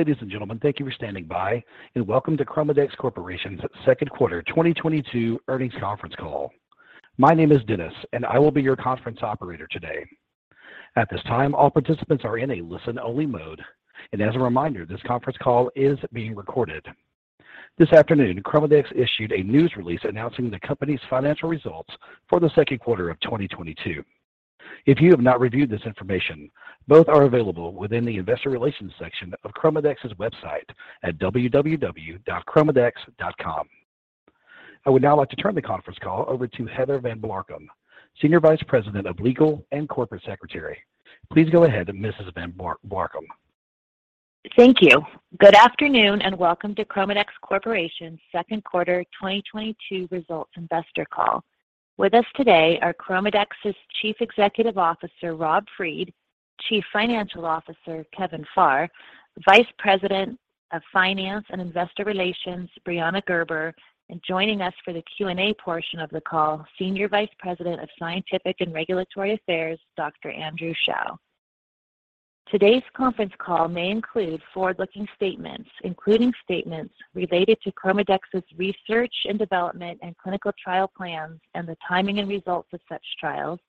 Ladies and gentlemen, thank you for standing by, and welcome to ChromaDex Corporation's second quarter 2022 earnings conference call. My name is Dennis, and I will be your conference operator today. At this time, all participants are in a listen-only mode. As a reminder, this conference call is being recorded. This afternoon, ChromaDex issued a newsn release announcing the company's financial results for the second quarter of 2022. If you have not reviewed this information, both are available within the investor relations section of ChromaDex's website at www.chromadex.com. I would now like to turn the conference call over to Heather Van Blarcom, Senior Vice President of Legal and Corporate Secretary. Please go ahead, Mrs. Van Blarcom. Thank you. Good afternoon, and welcome to ChromaDex Corporation's second quarter 2022 results investor call. With us today are ChromaDex's Chief Executive Officer, Rob Fried, Chief Financial Officer, Kevin Farr, Vice President of Finance and Investor Relations, Brianna Gerber, and joining us for the Q&A portion of the call, Senior Vice President of Scientific and Regulatory Affairs, Dr. Andrew Shao. Today's conference call may include forward-looking statements, including statements related to ChromaDex's research and development and clinical trial plans and the timing and results of such trials,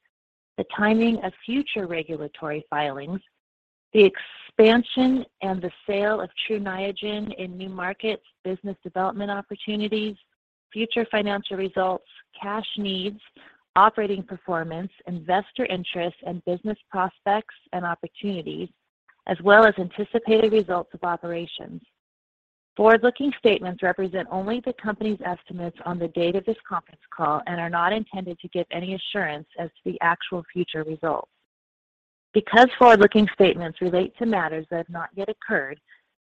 the timing of future regulatory filings, the expansion and the sale of Tru Niagen in new markets, business development opportunities, future financial results, cash needs, operating performance, investor interest, and business prospects and opportunities, as well as anticipated results of operations. Forward-looking statements represent only the company's estimates on the date of this conference call and are not intended to give any assurance as to the actual future results. Because forward-looking statements relate to matters that have not yet occurred,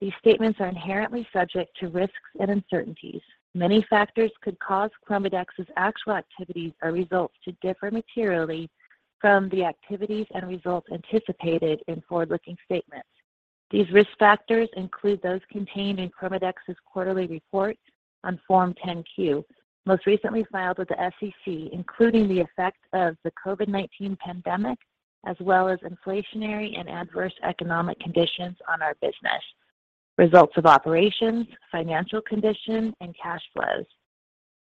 these statements are inherently subject to risks and uncertainties. Many factors could cause ChromaDex's actual activities or results to differ materially from the activities and results anticipated in forward-looking statements. These risk factors include those contained in ChromaDex's quarterly report on Form 10-Q, most recently filed with the SEC, including the effect of the COVID-19 pandemic as well as inflationary and adverse economic conditions on our business, results of operations, financial condition and cash flows.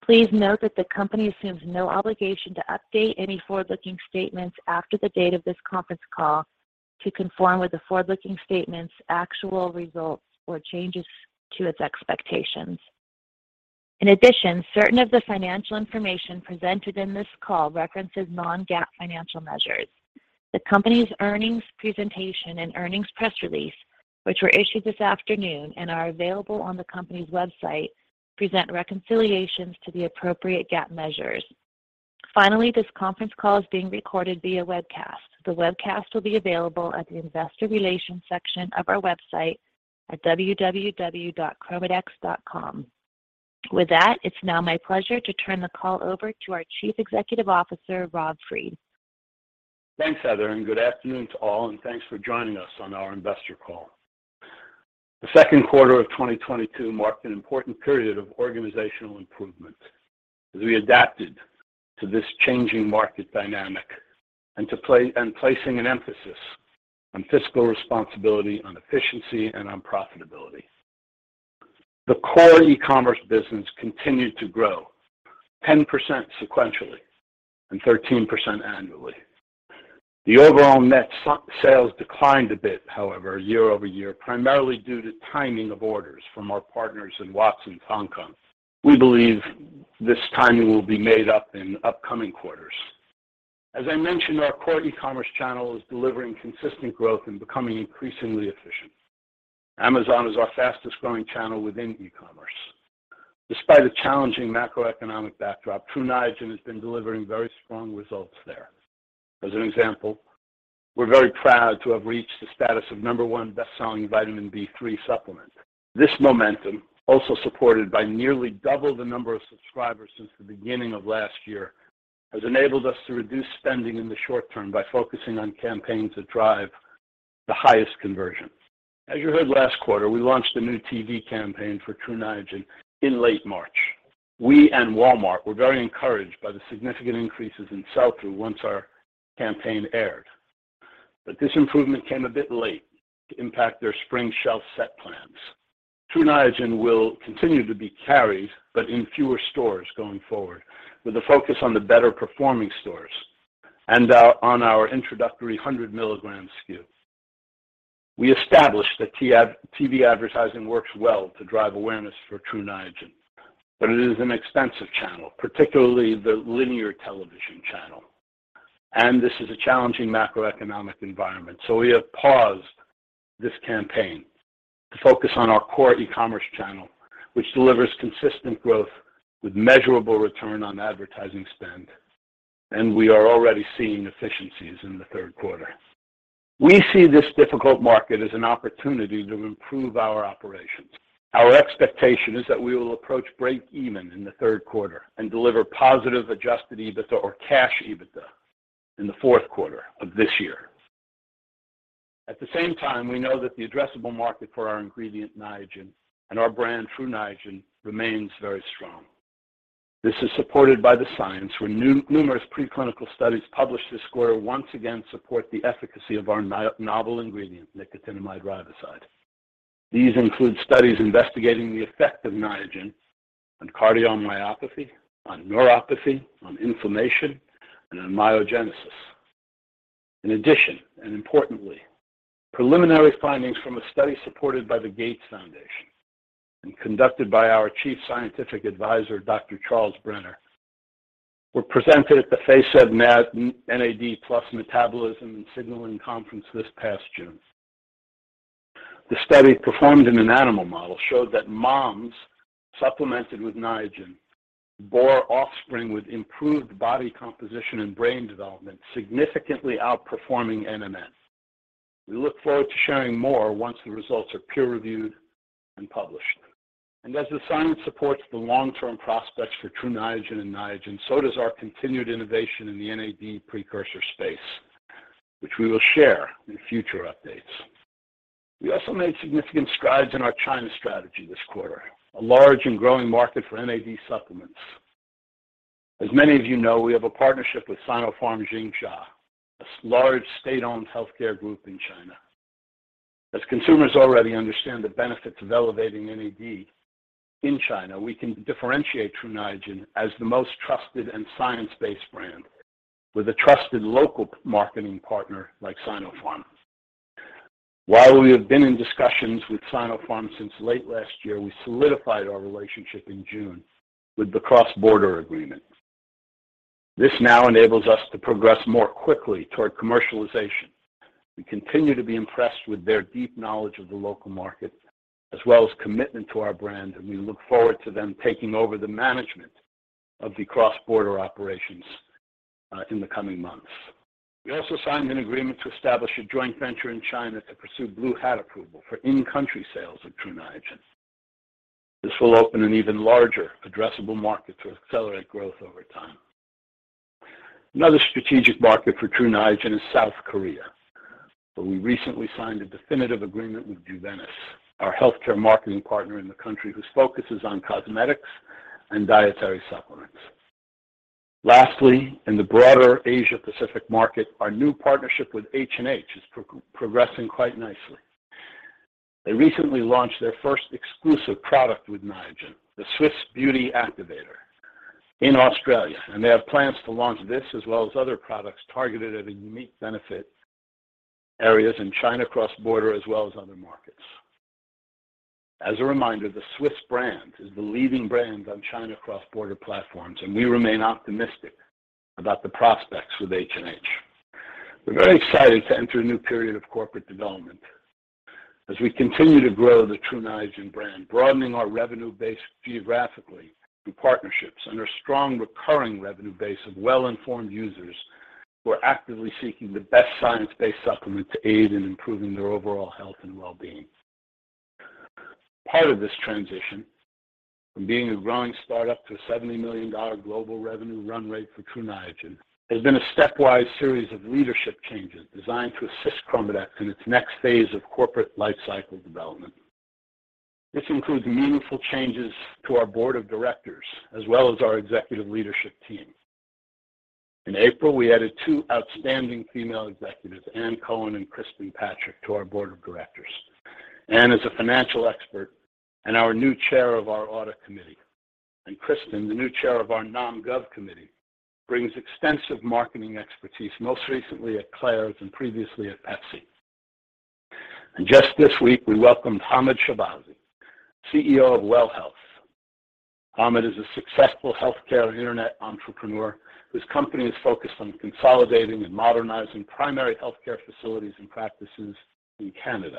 Please note that the company assumes no obligation to update any forward-looking statements after the date of this conference call to conform with the forward-looking statements' actual results or changes to its expectations. In addition, certain of the financial information presented in this call references non-GAAP financial measures. The company's earnings presentation and earnings press release, which were issued this afternoon and are available on the company's website, present reconciliations to the appropriate GAAP measures. Finally, this conference call is being recorded via webcast. The webcast will be available at the investor relations section of our website at www.chromadex.com. With that, it's now my pleasure to turn the call over to our Chief Executive Officer, Rob Fried. Thanks, Heather, and good afternoon to all, and thanks for joining us on our investor call. The second quarter of 2022 marked an important period of organizational improvement as we adapted to this changing market dynamic and placing an emphasis on fiscal responsibility, on efficiency, and on profitability. The core e-commerce business continued to grow 10% sequentially and 13% annually. The overall net sales declined a bit, however, year-over-year, primarily due to timing of orders from our partners in Watsons, Hong Kong. We believe this timing will be made up in upcoming quarters. As I mentioned, our core e-commerce channel is delivering consistent growth and becoming increasingly efficient. Amazon is our fastest-growing channel within e-commerce. Despite a challenging macroeconomic backdrop, Tru Niagen has been delivering very strong results there. As an example, we're very proud to have reached the status of number one best-selling vitamin B3 supplement. This momentum, also supported by nearly double the number of subscribers since the beginning of last year, has enabled us to reduce spending in the short term by focusing on campaigns that drive the highest conversions. As you heard last quarter, we launched a new TV campaign for Tru Niagen in late March. We and Walmart were very encouraged by the significant increases in sell-through once our campaign aired. This improvement came a bit late to impact their spring shelf set plans. Tru Niagen will continue to be carried, but in fewer stores going forward, with a focus on the better performing stores and on our introductory 100 milligrams SKU. We established that TV advertising works well to drive awareness for Tru Niagen, but it is an expensive channel, particularly the linear television channel, and this is a challenging macroeconomic environment. We have paused this campaign to focus on our core e-commerce channel, which delivers consistent growth with measurable return on advertising spend, and we are already seeing efficiencies in the third quarter. We see this difficult market as an opportunity to improve our operations. Our expectation is that we will approach break even in the third quarter and deliver positive adjusted EBITDA or cash EBITDA in the fourth quarter of this year. At the same time, we know that the addressable market for our ingredient Niagen and our brand Tru Niagen remains very strong. This is supported by the science where numerous preclinical studies published this quarter once again support the efficacy of our novel ingredient, nicotinamide riboside. These include studies investigating the effect of Niagen on cardiomyopathy, on neuropathy, on inflammation, and on myogenesis. In addition, and importantly, preliminary findings from a study supported by the Gates Foundation and conducted by our chief scientific advisor, Dr. Charles Brenner, were presented at the FASEB NAD+ Metabolism and Signaling conference this past June. The study, performed in an animal model, showed that moms supplemented with Niagen bore offspring with improved body composition and brain development, significantly outperforming NMN. We look forward to sharing more once the results are peer-reviewed and published. As the science supports the long-term prospects for Tru Niagen and Niagen, so does our continued innovation in the NAD precursor space, which we will share in future updates. We also made significant strides in our China strategy this quarter, a large and growing market for NAD supplements. As many of you know, we have a partnership with Sinopharm Xingsha, a large state-owned healthcare group in China. As consumers already understand the benefits of elevating NAD in China, we can differentiate Tru Niagen as the most trusted and science-based brand with a trusted local marketing partner like Sinopharm. While we have been in discussions with Sinopharm since late last year, we solidified our relationship in June with the cross-border agreement. This now enables us to progress more quickly toward commercialization. We continue to be impressed with their deep knowledge of the local market as well as commitment to our brand, and we look forward to them taking over the management of the cross-border operations in the coming months. We also signed an agreement to establish a joint venture in China to pursue Blue Hat approval for in-country sales of Tru Niagen. This will open an even larger addressable market to accelerate growth over time. Another strategic market for Tru Niagen is South Korea, where we recently signed a definitive agreement with Juvenis, our healthcare marketing partner in the country whose focus is on cosmetics and dietary supplements. Lastly, in the broader Asia-Pacific market, our new partnership with H&H is progressing quite nicely. They recently launched their first exclusive product with Niagen, the Swisse Beauty Activator. In Australia, and they have plans to launch this as well as other products targeted at a unique benefit areas in China cross-border as well as other markets. As a reminder, the Swisse brand is the leading brand on China cross-border platforms, and we remain optimistic about the prospects with H&H. We're very excited to enter a new period of corporate development as we continue to grow the Tru Niagen brand, broadening our revenue base geographically through partnerships and our strong recurring revenue base of well-informed users who are actively seeking the best science-based supplement to aid in improving their overall health and well-being. Part of this transition from being a growing startup to a $70 million global revenue run rate for Tru Niagen has been a stepwise series of leadership changes designed to assist ChromaDex in its next phase of corporate life cycle development. This includes meaningful changes to our board of directors as well as our executive leadership team. In April, we added two outstanding female executives, Ann Cohen and Kristin Patrick, to our board of directors. Ann, is a financial expert and our new chair of our audit committee. Kristen, the new chair of our Nom/Gov committee, brings extensive marketing expertise, most recently at Claire's and previously at Pepsi. Just this week, we welcomed Hamed Shahbazi, CEO of WELL Health. Hamed, is a successful healthcare internet entrepreneur whose company is focused on consolidating and modernizing primary healthcare facilities and practices in Canada.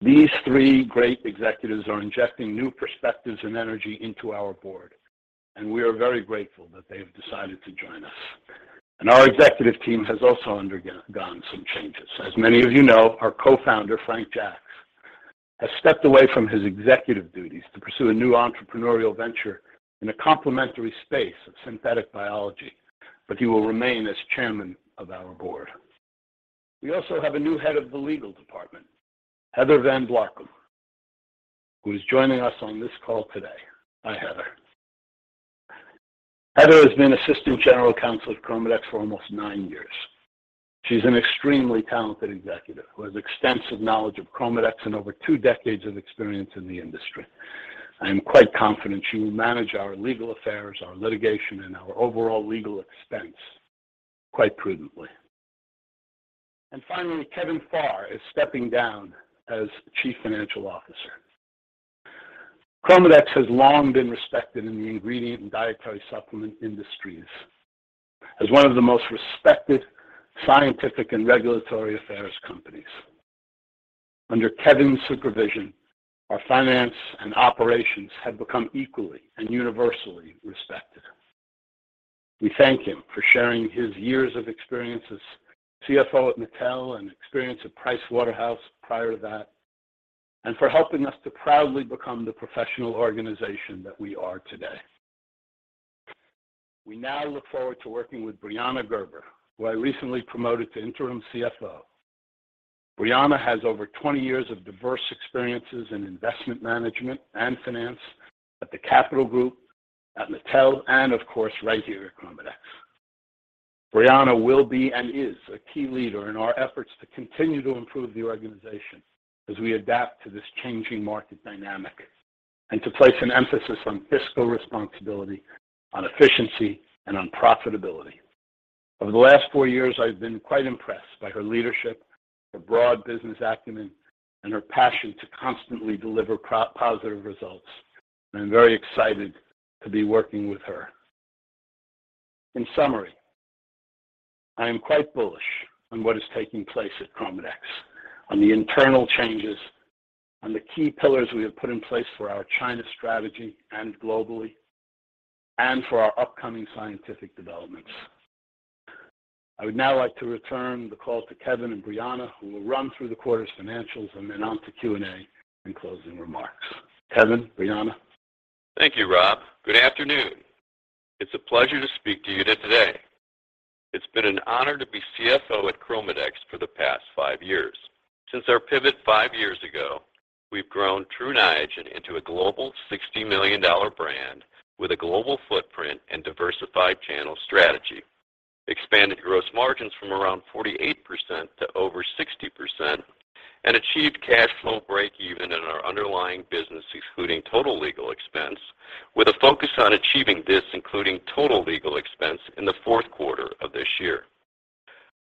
These three great executives are injecting new perspectives and energy into our board, and we are very grateful that they have decided to join us. Our executive team has also undergone some changes. As many of you know, our Co-Founder, Frank Jaksch, has stepped away from his executive duties to pursue a new entrepreneurial venture in a complementary space of synthetic biology, but he will remain as chairman of our board. We also have a new head of the legal department, Heather Van Blarcom, who is joining us on this call today. Hi, Heather. Heather, has been Assistant General Counsel at ChromaDex for almost nine years. She's an extremely talented executive who has extensive knowledge of ChromaDex and over two decades of experience in the industry. I am quite confident she will manage our legal affairs, our litigation, and our overall legal expense quite prudently. Finally, Kevin Farr, is stepping down as Chief Financial Officer. ChromaDex has long been respected in the ingredient and dietary supplement industries as one of the most respected scientific and regulatory affairs companies. Under Kevin's supervision, our finance and operations have become equally and universally respected. We thank him for sharing his years of experience as CFO at Mattel and experience at PricewaterhouseCoopers prior to that, and for helping us to proudly become the professional organization that we are today. We now look forward to working with Brianna Gerber, who I recently promoted to Interim CFO. Brianna has over 20 years of diverse experiences in investment management and finance at the Capital Group, at Mattel, and of course, right here at Chromadex. Brianna will be and is a key leader in our efforts to continue to improve the organization as we adapt to this changing market dynamic and to place an emphasis on fiscal responsibility, on efficiency, and on profitability. Over the last four years, I've been quite impressed by her leadership, her broad business acumen, and her passion to constantly deliver positive results. I'm very excited to be working with her. In summary, I am quite bullish on what is taking place at ChromaDex, on the internal changes, on the key pillars we have put in place for our China strategy and globally, and for our upcoming scientific developments. I would now like to return the call to Kevin and Brianna, who will run through the quarter's financials and then on to Q&A and closing remarks. Kevin, Brianna. Thank you, Rob. Good afternoon. It's a pleasure to speak to you today. It's been an honor to be CFO at ChromaDex for the past five years. Since our pivot five years ago, we've grown Tru Niagen into a global $60 million brand with a global footprint and diversified channel strategy, expanded gross margins from around 48% to over 60%, and achieved cash flow breakeven in our underlying business, excluding total legal expense, with a focus on achieving this, including total legal expense in the fourth quarter of this year.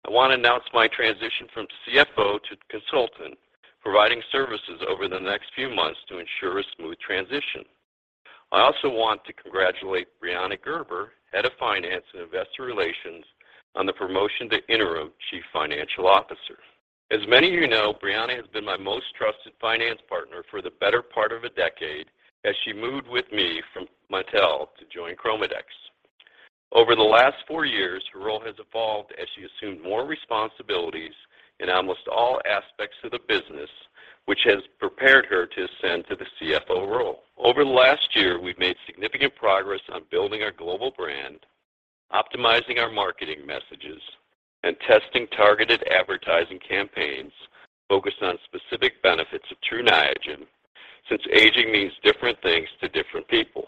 I want to announce my transition from CFO to consultant, providing services over the next few months to ensure a smooth transition. I also want to congratulate Brianna Gerber, Head of Finance and Investor Relations, on the promotion to Interim Chief Financial Officer. As many of you know, Brianna has been my most trusted finance partner for the better part of a decade as she moved with me from Mattel to join ChromaDex. Over the last four years, her role has evolved as she assumed more responsibilities in almost all aspects of the business, which has prepared her to ascend to the CFO role. Over the last year, we've made significant progress on building our global brand, optimizing our marketing messages, and testing targeted advertising campaigns focused on specific benefits of Tru Niagen, since aging means different things to different people.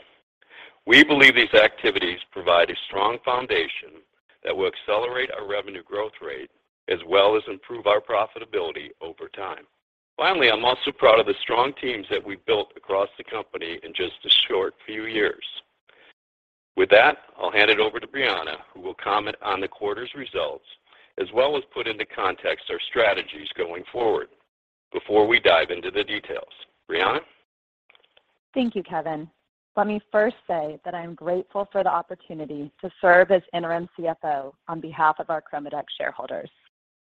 We believe these activities provide a strong foundation that will accelerate our revenue growth rate as well as improve our profitability over time. Finally, I'm also proud of the strong teams that we've built across the company in just a short few years. With that, I'll hand it over to Brianna, who will comment on the quarter's results as well as put into context our strategies going forward before we dive into the details. Brianna. Thank you, Kevin. Let me first say that I am grateful for the opportunity to serve as interim CFO on behalf of our ChromaDex shareholders.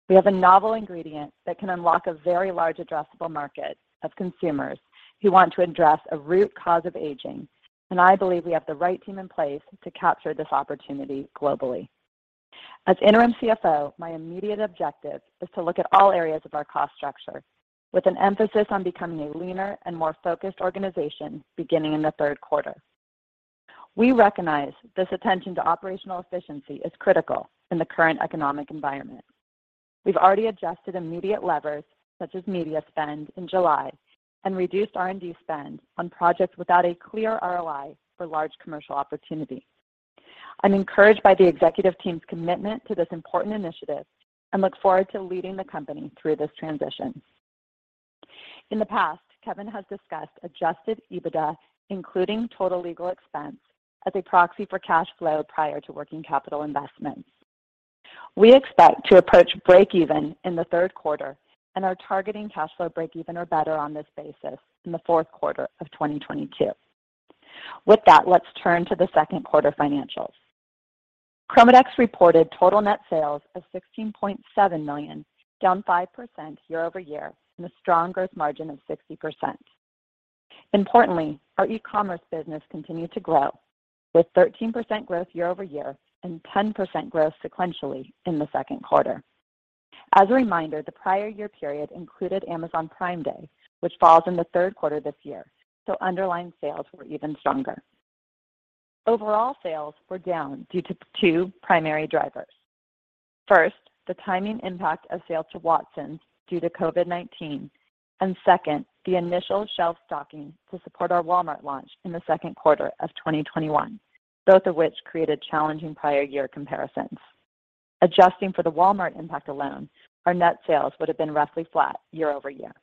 We have a novel ingredient that can unlock a very large addressable market of consumers who want to address a root cause of aging, and I believe we have the right team in place to capture this opportunity globally. As interim CFO, my immediate objective is to look at all areas of our cost structure with an emphasis on becoming a leaner and more focused organization beginning in the third quarter. We recognize this attention to operational efficiency is critical in the current economic environment. We've already adjusted immediate levers such as media spend in July and reduced R&D spend on projects without a clear ROI for large commercial opportunities. I'm encouraged by the executive team's commitment to this important initiative and look forward to leading the company through this transition. In the past, Kevin has discussed adjusted EBITDA, including total legal expense as a proxy for cash flow prior to working capital investments. We expect to approach breakeven in the third quarter and are targeting cash flow breakeven or better on this basis in the fourth quarter of 2022. With that, let's turn to the second quarter financials. ChromaDex reported total net sales of $16.7 million, down 5% year-over-year, and a strong gross margin of 60%. Importantly, our e-commerce business continued to grow with 13% growth year-over-year and 10% growth sequentially in the second quarter. As a reminder, the prior year period included Amazon Prime Day, which falls in the third quarter this year, so underlying sales were even stronger. Overall sales were down due to two primary drivers. First, the timing impact of sales to Watsons due to COVID-19, and second, the initial shelf stocking to support our Walmart launch in the second quarter of 2021, both of which created challenging prior year comparisons. Adjusting for the Walmart impact alone, our net sales would have been roughly flat year-over-year.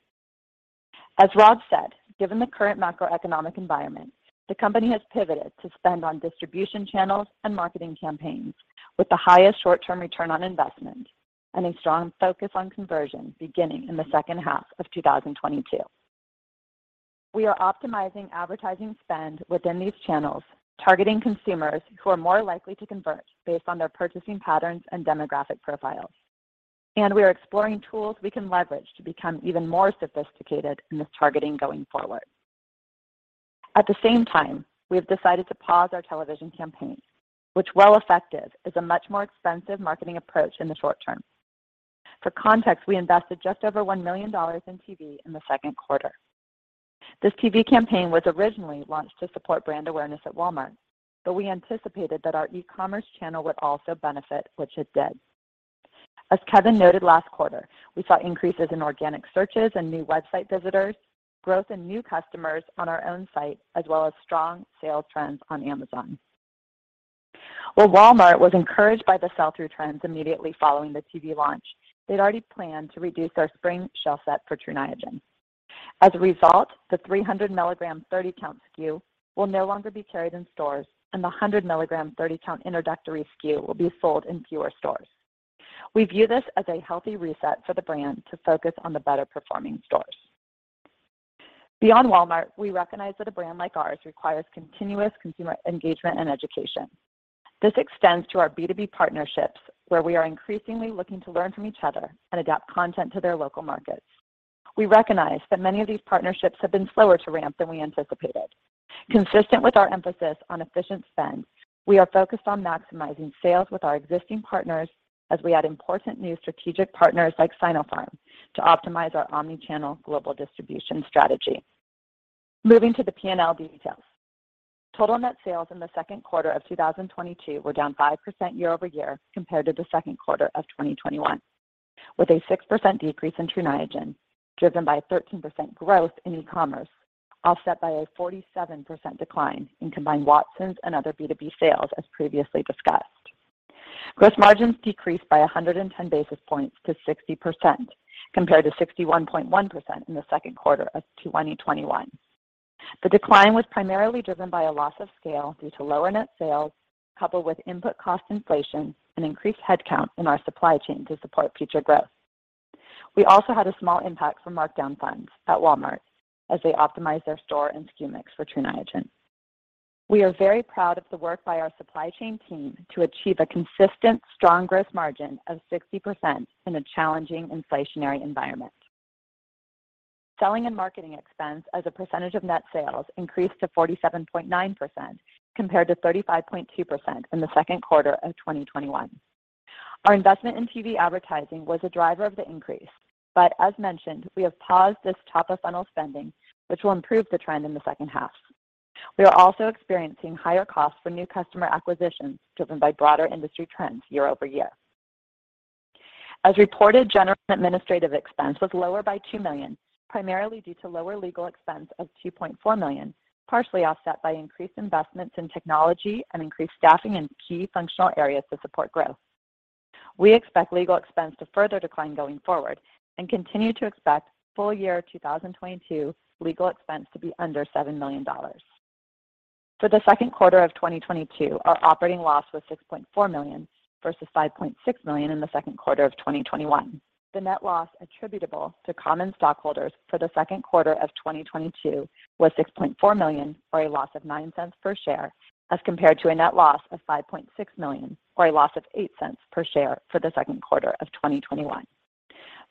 As Rob said, given the current macroeconomic environment, the company has pivoted to spend on distribution channels and marketing campaigns with the highest short-term return on investment and a strong focus on conversion beginning in the second half of 2022. We are optimizing advertising spend within these channels, targeting consumers who are more likely to convert based on their purchasing patterns and demographic profiles. We are exploring tools we can leverage to become even more sophisticated in this targeting going forward. At the same time, we have decided to pause our television campaign, which, while effective, is a much more expensive marketing approach in the short term. For context, we invested just over $1 million in TV in the second quarter. This TV campaign was originally launched to support brand awareness at Walmart, but we anticipated that our e-commerce channel would also benefit, which it did. As Kevin, noted last quarter, we saw increases in organic searches and new website visitors, growth in new customers on our own site, as well as strong sales trends on Amazon. While Walmart was encouraged by the sell-through trends immediately following the TV launch, they'd already planned to reduce our spring shelf set for Tru Niagen. As a result, the 300 milligram 30 count SKU will no longer be carried in stores, and the 100 milligram 30 count introductory SKU will be sold in fewer stores. We view this as a healthy reset for the brand to focus on the better-performing stores. Beyond Walmart, we recognize that a brand like ours requires continuous consumer engagement and education. This extends to our B2B partnerships, where we are increasingly looking to learn from each other and adapt content to their local markets. We recognize that many of these partnerships have been slower to ramp than we anticipated. Consistent with our emphasis on efficient spend, we are focused on maximizing sales with our existing partners as we add important new strategic partners like Sinopharm to optimize our omni-channel global distribution strategy. Moving to the P&L details. Total net sales in the second quarter of 2022 were down 5% year-over-year compared to the second quarter of 2021, with a 6% decrease in Tru Niagen, driven by a 13% growth in e-commerce, offset by a 47% decline in combined Watsons and other B2B sales, as previously discussed. Gross margins decreased by 110 basis points to 60%, compared to 61.1% in the second quarter of 2021. The decline was primarily driven by a loss of scale due to lower net sales, coupled with input cost inflation and increased headcount in our supply chain to support future growth. We also had a small impact from markdown funds at Walmart as they optimized their store and SKU mix for Tru Niagen. We are very proud of the work by our supply chain team to achieve a consistent, strong gross margin of 60% in a challenging inflationary environment. Selling and marketing expense as a percentage of net sales increased to 47.9% compared to 35.2% in the second quarter of 2021. Our investment in TV advertising was a driver of the increase, but as mentioned, we have paused this top-of-funnel spending, which will improve the trend in the second half. We are also experiencing higher costs for new customer acquisitions driven by broader industry trends year-over-year. As reported, general and administrative expense was lower by $2 million, primarily due to lower legal expense of $2.4 million, partially offset by increased investments in technology and increased staffing in key functional areas to support growth. We expect legal expense to further decline going forward and continue to expect full year 2022 legal expense to be under $7 million. For the second quarter of 2022, our operating loss was $6.4 million versus $5.6 million in the second quarter of 2021. The net loss attributable to common stockholders for the second quarter of 2022 was $6.4 million or a loss of $0.09 per share as compared to a net loss of $5.6 million or a loss of $0.08 per share for the second quarter of 2021.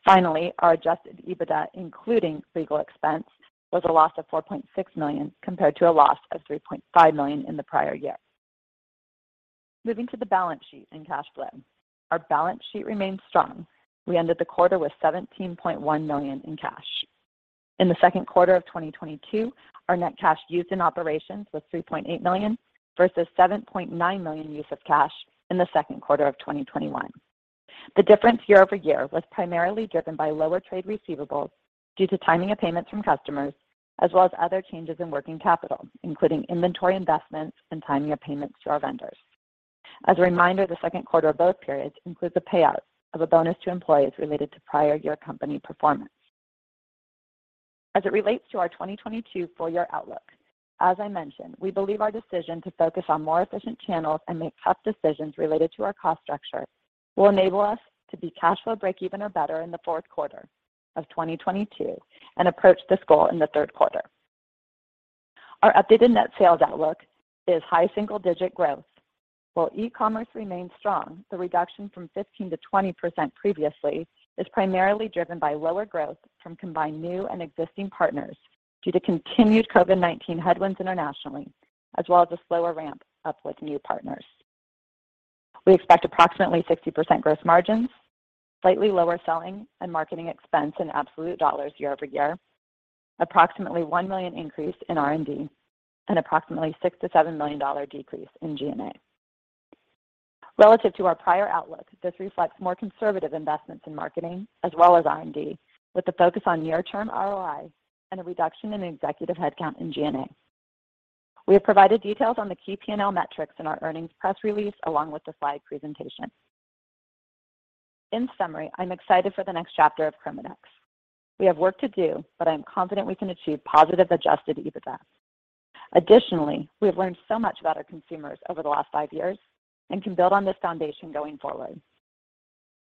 Our adjusted EBITDA including legal expense was a loss of $4.6 million compared to a loss of $3.5 million in the prior year. Moving to the balance sheet and cash flow. Our balance sheet remains strong. We ended the quarter with $17.1 million in cash. In the second quarter of 2022, our net cash used in operations was $3.8 million versus $7.9 million use of cash in the second quarter of 2021. The difference year over year was primarily driven by lower trade receivables due to timing of payments from customers as well as other changes in working capital, including inventory investments and timing of payments to our vendors. As a reminder, the second quarter of both periods includes a payout of a bonus to employees related to prior year company performance. As it relates to our 2022 full year outlook, as I mentioned, we believe our decision to focus on more efficient channels and make tough decisions related to our cost structure will enable us to be cash flow break even or better in the fourth quarter of 2022 and approach this goal in the third quarter. Our updated net sales outlook is high single-digit growth. While e-commerce remains strong, the reduction from 15%-20% previously is primarily driven by lower growth from combined new and existing partners due to continued COVID-19 headwinds internationally as well as a slower ramp-up with new partners. We expect approximately 60% gross margins, slightly lower selling and marketing expense in absolute dollars year-over-year, approximately $1 million increase in R&D, and approximately $6 million-$7 million decrease in G&A. Relative to our prior outlook, this reflects more conservative investments in marketing as well as R&D, with a focus on near-term ROI and a reduction in executive headcount in G&A. We have provided details on the key P&L metrics in our earnings press release along with the slide presentation. In summary, I'm excited for the next chapter of ChromaDex. We have work to do, but I am confident we can achieve positive adjusted EBITDA. Additionally, we have learned so much about our consumers over the last five years and can build on this foundation going forward.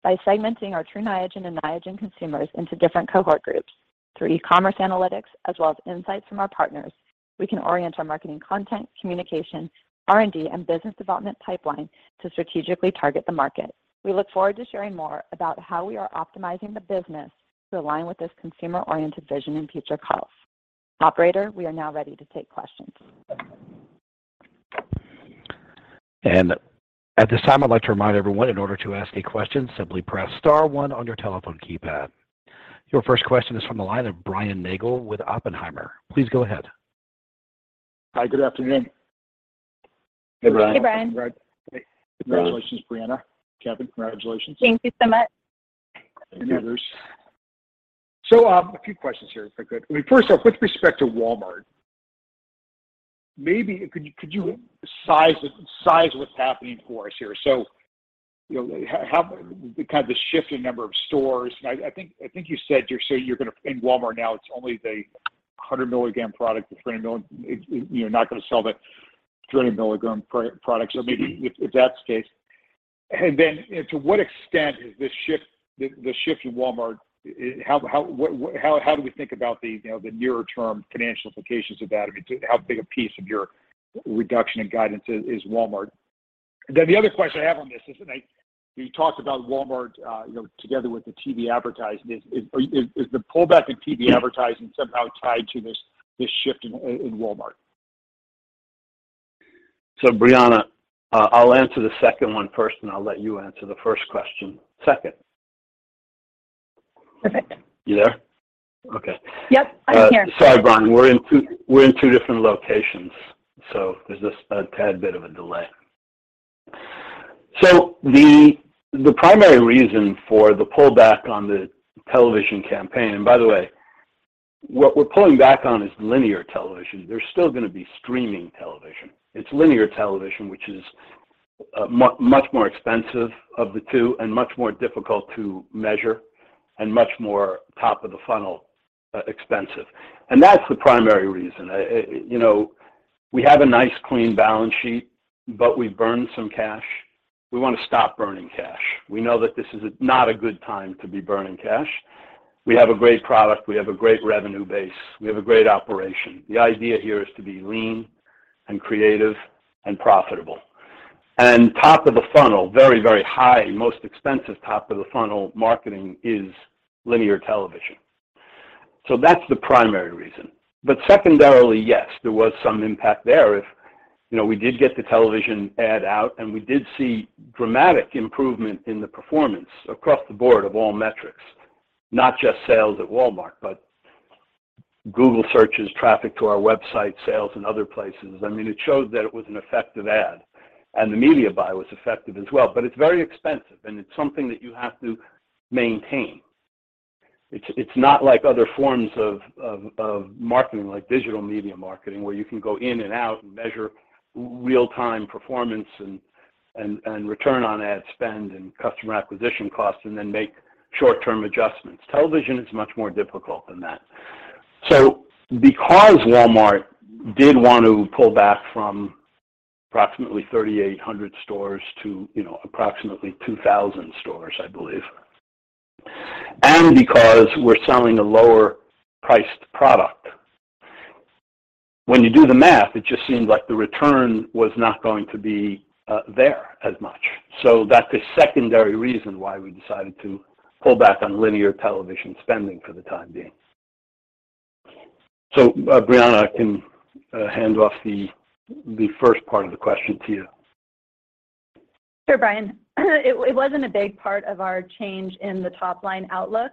By segmenting our Tru Niagen and Niagen consumers into different cohort groups through e-commerce analytics as well as insights from our partners, we can orient our marketing content, communication, R&D, and business development pipeline to strategically target the market. We look forward to sharing more about how we are optimizing the business to align with this consumer-oriented vision in future calls. Operator, we are now ready to take questions. At this time, I'd like to remind everyone, in order to ask a question, simply press star one on your telephone keypad. Your first question is from the line of Brian Nagel with Oppenheimer. Please go ahead. Hi, good afternoon. Hey, Brian. Hey, Brian. Congratulations, Brianna. Kevin, congratulations. Thank you so much. The others. A few questions here if I could. I mean, first off, with respect to Walmart, maybe could you size what's happening for us here? You know, how kind of the shift in number of stores. I think you said in Walmart now, it's only the 100 milligram product, the 300 milligram. You're not gonna sell the 300 milligram products or maybe if that's the case. To what extent is this shift, the shift in Walmart, how do we think about the, you know, the nearer term financial implications of that? I mean, how big a piece of your reduction in guidance is Walmart? The other question I have on this is, and I, you talked about Walmart, you know, together with the TV advertising. Is the pullback in TV advertising somehow tied to this shift in Walmart? Brianna, I'll answer the second one first, and I'll let you answer the first question, second. Perfect. You there? Okay. Yep, I am here. Sorry, Brian. We're in two different locations, so there's just a tad bit of a delay. The primary reason for the pullback on the television campaign. By the way, what we're pulling back on is linear television. There's still gonna be streaming television. It's linear television, which is much more expensive of the two and much more difficult to measure and much more top of the funnel, expensive. That's the primary reason. You know, we have a nice clean balance sheet, but we burn some cash. We wanna stop burning cash. We know that this is not a good time to be burning cash. We have a great product. We have a great revenue base. We have a great operation. The idea here is to be lean and creative and profitable. Top of the funnel, very, very high, most expensive top of the funnel marketing is linear television. That's the primary reason. Secondarily, yes, there was some impact there if, you know, we did get the television ad out, and we did see dramatic improvement in the performance across the board of all metrics. Not just sales at Walmart, but Google searches, traffic to our website, sales in other places. I mean, it showed that it was an effective ad, and the media buy was effective as well. It's very expensive, and it's something that you have to maintain. It's not like other forms of marketing like digital media marketing, where you can go in and out and measure real-time performance and return on ad spend and customer acquisition costs and then make short-term adjustments. Television is much more difficult than that. Because Walmart did want to pull back from approximately 3,800 stores to, you know, approximately 2,000 stores, I believe, and because we're selling a lower priced product, when you do the math, it just seemed like the return was not going to be there as much. That's a secondary reason why we decided to pull back on linear television spending for the time being. Brianna, I can hand off the first part of the question to you. Sure, Brian. It wasn't a big part of our change in the top-line outlook,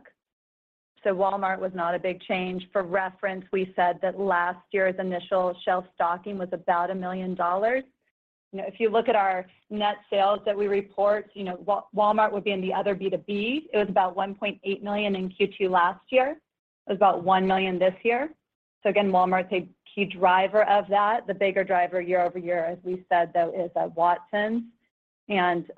so Walmart was not a big change. For reference, we said that last year's initial shelf stocking was about $1 million. You know, if you look at our net sales that we report, you know, Walmart would be in the other B2B. It was about $1.8 million in Q2 last year. It was about $1 million this year. So again, Walmart's a key driver of that. The bigger driver year-over-year, as we said, though, is Watsons.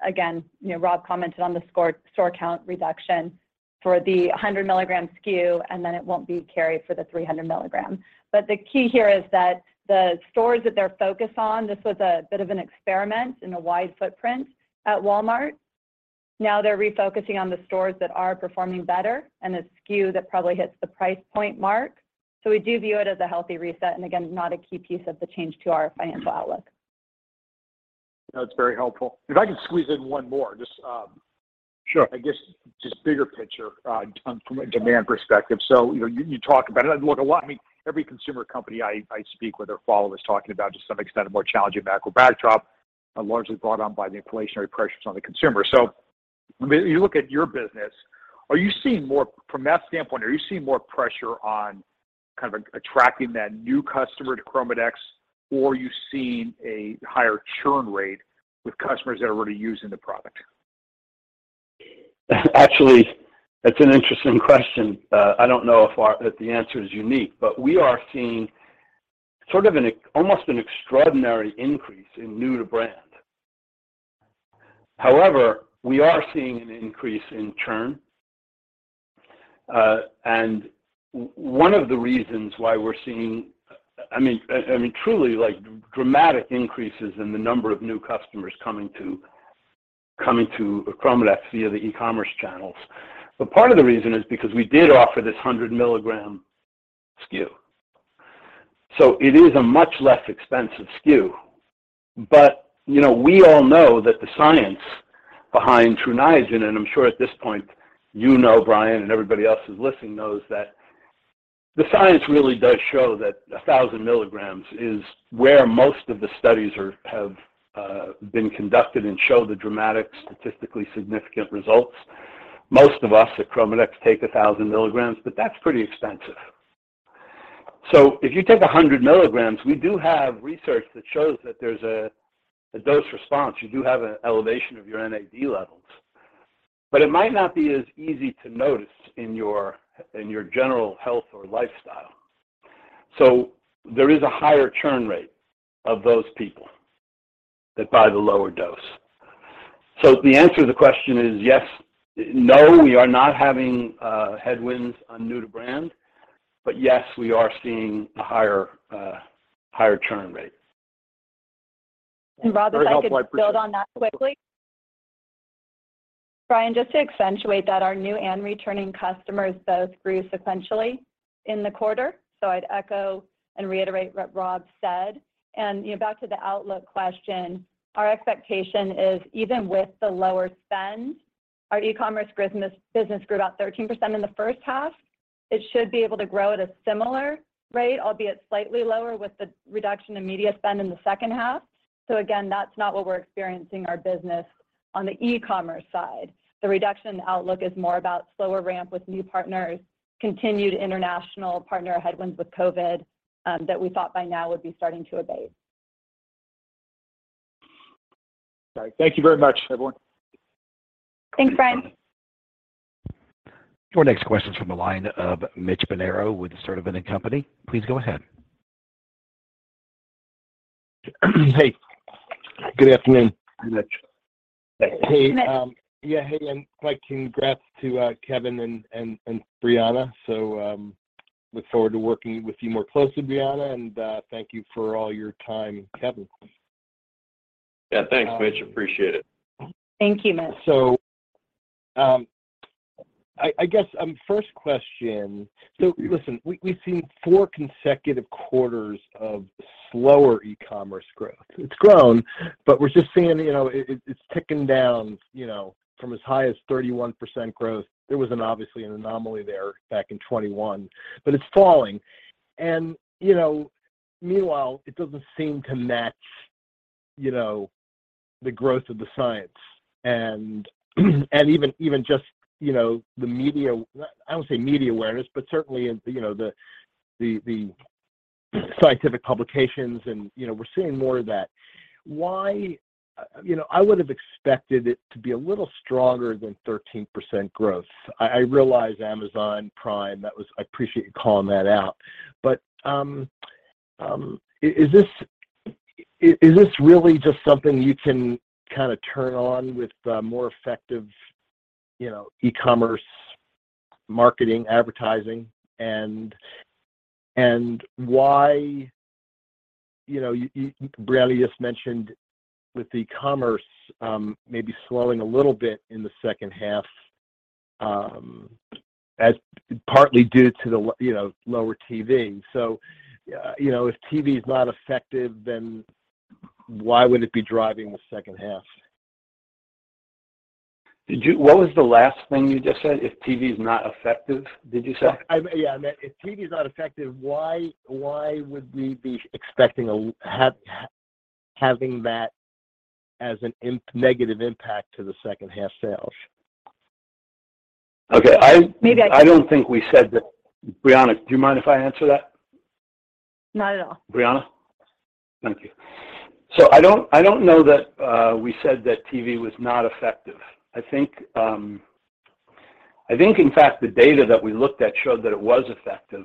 Again, you know, Rob commented on the store count reduction for the 100 milligram SKU, and then it won't be carried for the 300 milligram. But the key here is that the stores that they're focused on, this was a bit of an experiment in a wide footprint at Walmart. Now they're refocusing on the stores that are performing better and a SKU that probably hits the price point mark. We do view it as a healthy reset, and again, not a key piece of the change to our financial outlook. No, it's very helpful. If I could squeeze in one more, just, Sure. I guess just bigger picture, from a demand perspective. You know, you talk about it a lot. I mean, every consumer company I speak with or follow is talking about, to some extent, a more challenging macro backdrop, largely brought on by the inflationary pressures on the consumer. When you look at your business, are you seeing more pressure? From that standpoint, are you seeing more pressure on kind of attracting that new customer to ChromaDex, or are you seeing a higher churn rate with customers that are already using the product? Actually, that's an interesting question. I don't know if the answer is unique, but we are seeing sort of almost an extraordinary increase in new to brand. However, we are seeing an increase in churn. One of the reasons why we're seeing, I mean, truly like dramatic increases in the number of new customers coming to ChromaDex via the e-commerce channels. Part of the reason is because we did offer this 100 milligram SKU. It is a much less expensive SKU. You know, we all know that the science behind Tru Niagen, and I'm sure at this point you know, Brian, and everybody else who's listening knows that. The science really does show that 1,000 milligrams is where most of the studies have been conducted and show the dramatic statistically significant results. Most of us at ChromaDex take 1,000 milligrams, but that's pretty expensive. If you take 100 milligrams, we do have research that shows that there's a dose response. You do have an elevation of your NAD levels. But it might not be as easy to notice in your general health or lifestyle. There is a higher churn rate of those people that buy the lower dose. The answer to the question is yes, no, we are not having headwinds on new-to-brand, but yes, we are seeing a higher churn rate. Rob, if I could build on that quickly. Brian, just to accentuate that our new and returning customers both grew sequentially in the quarter. I'd echo and reiterate what Rob said. You know, back to the outlook question, our expectation is even with the lower spend, our e-commerce business grew about 13% in the first half. It should be able to grow at a similar rate, albeit slightly lower with the reduction in media spend in the second half. Again, that's not what we're basing our business on the e-commerce side. The reduction in outlook is more about slower ramp with new partners, continued international partner headwinds with COVID that we thought by now would be starting to abate. All right. Thank you very much, everyone. Thanks, Brian. Our next question is from the line of Mitch Pinheiro with Sturdivant & Co. Please go ahead. Hey, good afternoon. Hi, Mitch. Hey, yeah. Hey, my congrats to Kevin and Brianna. Look forward to working with you more closely, Brianna, and thank you for all your time, Kevin. Yeah. Thanks, Mitch. Appreciate it. Thank you, Mitch. First question. Listen, we've seen four consecutive quarters of slower e-commerce growth. It's grown, but we're just seeing, you know, it's ticking down, you know, from as high as 31% growth. There was an obvious anomaly there back in 2021, but it's falling. You know, meanwhile, it doesn't seem to match, you know, the growth of the science and even just, you know, the media. I won't say media awareness, but certainly in, you know, the scientific publications and, you know, we're seeing more of that. Why? You know, I would've expected it to be a little stronger than 13% growth. I realize Amazon Prime, that was. I appreciate you calling that out. Is this really just something you can kinda turn on with more effective, you know, e-commerce marketing, advertising? Why, you know, you, Brianna, you just mentioned with e-commerce maybe slowing a little bit in the second half, as partly due to the lower TV. If TV is not effective, then why would it be driving the second half? What was the last thing you just said? If TV is not effective, did you say? Yeah. I meant if TV is not effective, why would we be expecting having that as a negative impact to the second half sales? Okay. Maybe I can. I don't think we said that. Brianna, do you mind if I answer that? Not at all. Brianna? Thank you. I don't know that we said that TV was not effective. I think in fact the data that we looked at showed that it was effective,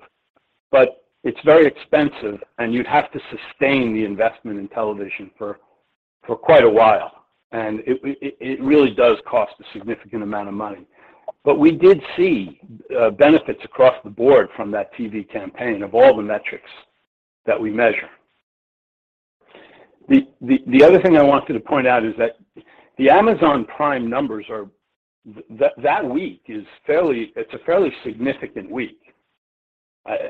but it's very expensive, and you'd have to sustain the investment in television for quite a while. It really does cost a significant amount of money. We did see benefits across the board from that TV campaign of all the metrics that we measure. The other thing I wanted to point out is that that week is a fairly significant week.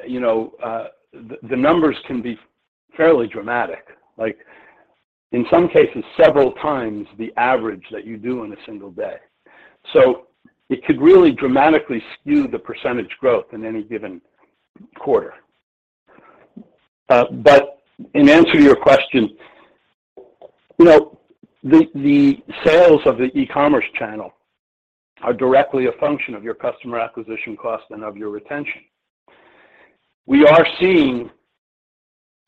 You know, the numbers can be fairly dramatic, like in some cases, several times the average that you do in a single day. It could really dramatically skew the percentage growth in any given quarter. In answer to your question, you know, the sales of the e-commerce channel are directly a function of your customer acquisition cost and of your retention. We are seeing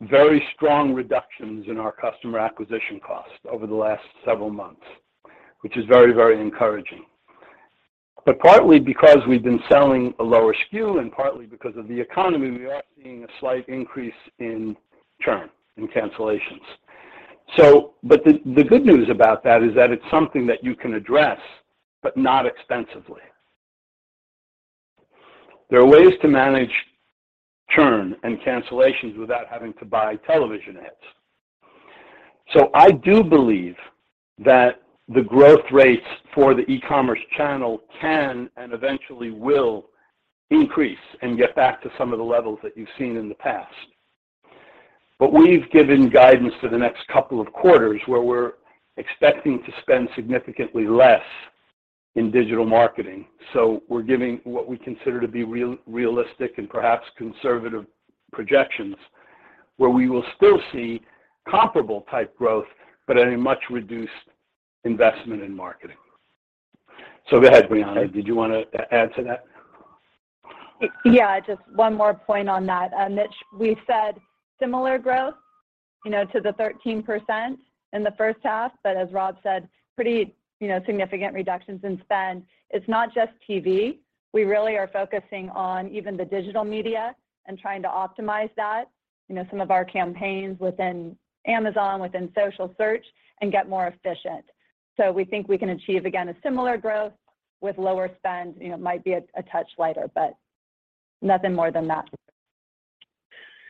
very strong reductions in our customer acquisition costs over the last several months, which is very, very encouraging. Partly because we've been selling a lower SKU and partly because of the economy, we are seeing a slight increase in churn, in cancellations. The good news about that is that it's something that you can address, but not expensively. There are ways to manage churn and cancellations without having to buy television ads. I do believe that the growth rates for the e-commerce channel can and eventually will increase and get back to some of the levels that you've seen in the past. We've given guidance for the next couple of quarters, where we're expecting to spend significantly less in digital marketing. We're giving what we consider to be realistic and perhaps conservative projections, where we will still see comparable type growth, but at a much reduced investment in marketing. Go ahead, Brianna. Did you want to add to that? Yeah. Just one more point on that. Mitch, we said similar growth, you know, to the 13% in the first half, but as Rob said, pretty, you know, significant reductions in spend. It's not just TV. We really are focusing on even the digital media and trying to optimize that. You know, some of our campaigns within Amazon, within social search, and get more efficient. We think we can achieve, again, a similar growth with lower spend. You know, it might be a touch lighter, but nothing more than that.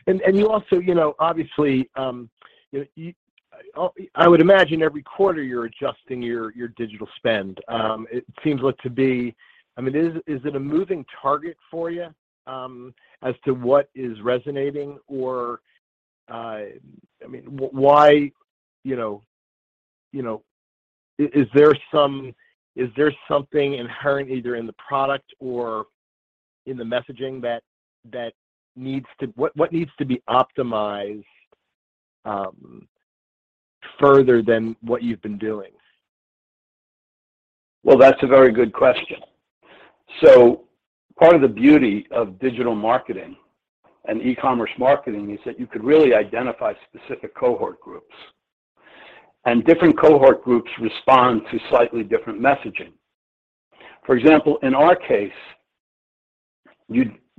You also, you know, obviously, you. I would imagine every quarter you're adjusting your digital spend. It seems like to be. I mean, is it a moving target for you, as to what is resonating? Or, I mean, why, you know. Is there something inherent either in the product or in the messaging that needs to, what needs to be optimized further than what you've been doing? Well, that's a very good question. Part of the beauty of digital marketing and e-commerce marketing is that you could really identify specific cohort groups, and different cohort groups respond to slightly different messaging. For example, in our case,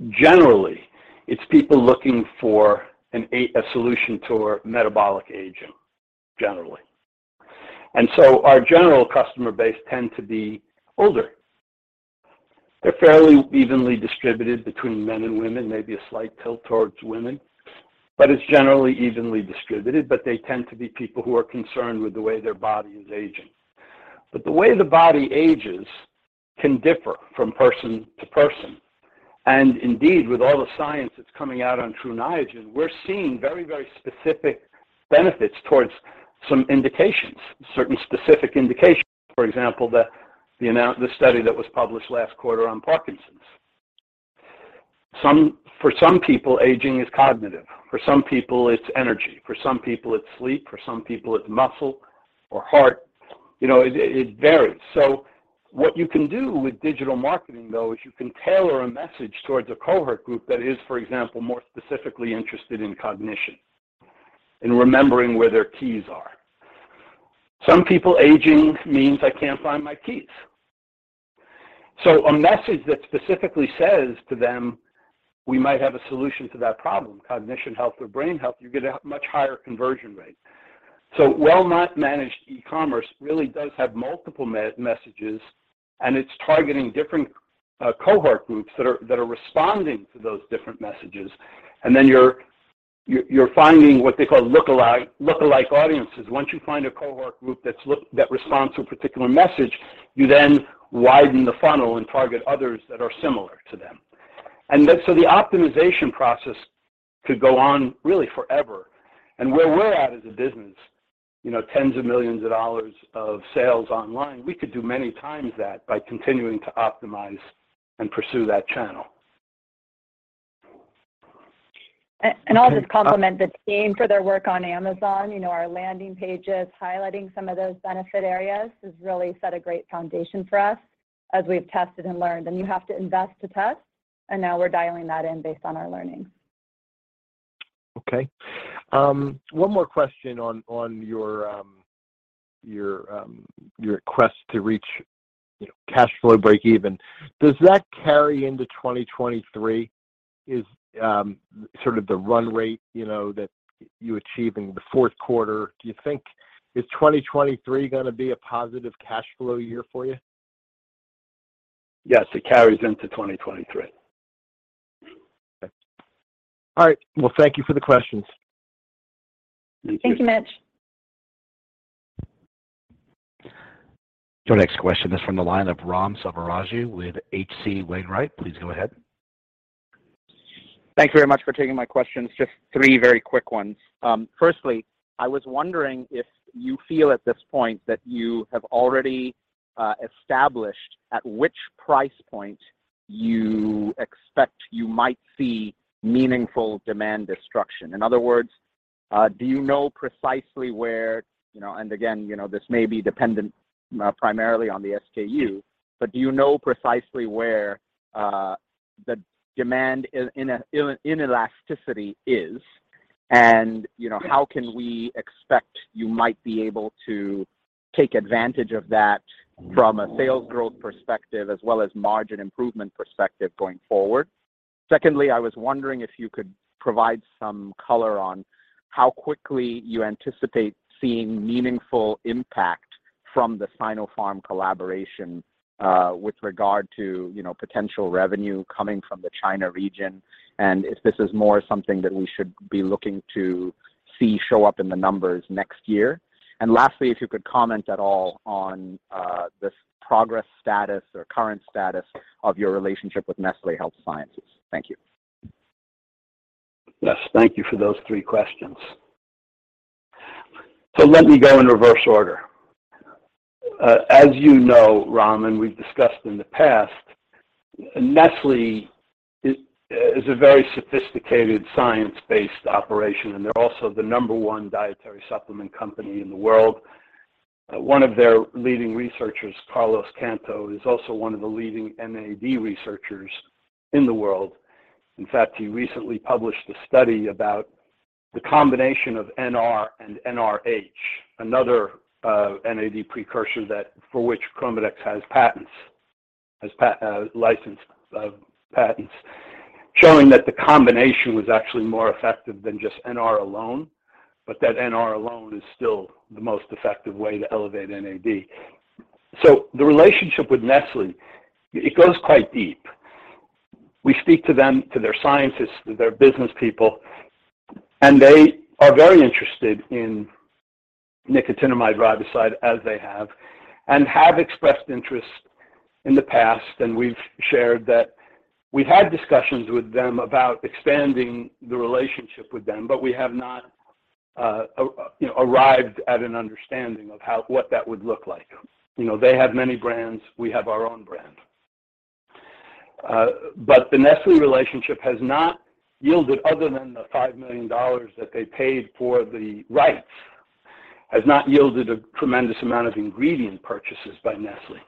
generally, it's people looking for a solution to metabolic aging, generally. Our general customer base tend to be older. They're fairly evenly distributed between men and women, maybe a slight tilt towards women, but it's generally evenly distributed. They tend to be people who are concerned with the way their body is aging. The way the body ages can differ from person to person. Indeed, with all the science that's coming out on Tru Niagen, we're seeing very, very specific benefits towards some indications, certain specific indications. For example, the study that was published last quarter on Parkinson's. For some people, aging is cognitive. For some people, it's energy. For some people, it's sleep. For some people, it's muscle or heart. You know, it varies. What you can do with digital marketing, though, is you can tailor a message towards a cohort group that is, for example, more specifically interested in cognition and remembering where their keys are. Some people, aging means I can't find my keys. A message that specifically says to them, we might have a solution to that problem, cognition health or brain health, you get a much higher conversion rate. Well-managed e-commerce really does have multiple me-messages, and it's targeting different cohort groups that are responding to those different messages. You're finding what they call lookalike audiences. Once you find a cohort group that responds to a particular message, you then widen the funnel and target others that are similar to them. The optimization process could go on really forever. Where we're at as a business, you know, tens of millions of dollars of sales online, we could do many times that by continuing to optimize and pursue that channel. I'll just compliment the team for their work on Amazon. You know, our landing pages highlighting some of those benefit areas has really set a great foundation for us as we've tested and learned. You have to invest to test, and now we're dialing that in based on our learnings. Okay. One more question on your quest to reach, you know, cash flow breakeven. Does that carry into 2023? Is sort of the run rate, you know, that you achieve in the fourth quarter, do you think is 2023 gonna be a positive cash flow year for you? Yes, it carries into 2023. Okay. All right. Well, thank you for the questions. Thank you. Thank you, Mitch. Your next question is from the line of Ram Selvaraju with H.C. Wainwright. Please go ahead. Thank you very much for taking my questions. Just three very quick ones. Firstly, I was wondering if you feel at this point that you have already established at which price point you expect you might see meaningful demand destruction. In other words, do you know precisely where, you know. Again, you know, this may be dependent primarily on the SKU, but do you know precisely where the demand inelasticity is? You know, how can we expect you might be able to take advantage of that from a sales growth perspective as well as margin improvement perspective going forward? Secondly, I was wondering if you could provide some color on how quickly you anticipate seeing meaningful impact from the Sinopharm collaboration, with regard to, you know, potential revenue coming from the China region, and if this is more something that we should be looking to see show up in the numbers next year. Lastly, if you could comment at all on this progress status or current status of your relationship with Nestlé Health Science. Thank you. Yes. Thank you for those three questions. Let me go in reverse order. As you know, Ram, and we've discussed in the past, Nestlé is a very sophisticated science-based operation, and they're also the number one dietary supplement company in the world. One of their leading researchers, Carles Cantó, is also one of the leading NAD researchers in the world. In fact, he recently published a study about the combination of NR and NRH, another NAD precursor for which ChromaDex has licensed patents, showing that the combination was actually more effective than just NR alone, but that NR alone is still the most effective way to elevate NAD. The relationship with Nestlé, it goes quite deep. We speak to them, to their scientists, to their business people, and they are very interested in nicotinamide riboside, as they have, and have expressed interest in the past. We've shared that we've had discussions with them about expanding the relationship with them, but we have not, you know, arrived at an understanding of what that would look like. You know, they have many brands, we have our own brand. The Nestlé relationship has not yielded, other than the $5 million that they paid for the rights, has not yielded a tremendous amount of ingredient purchases by Nestlé.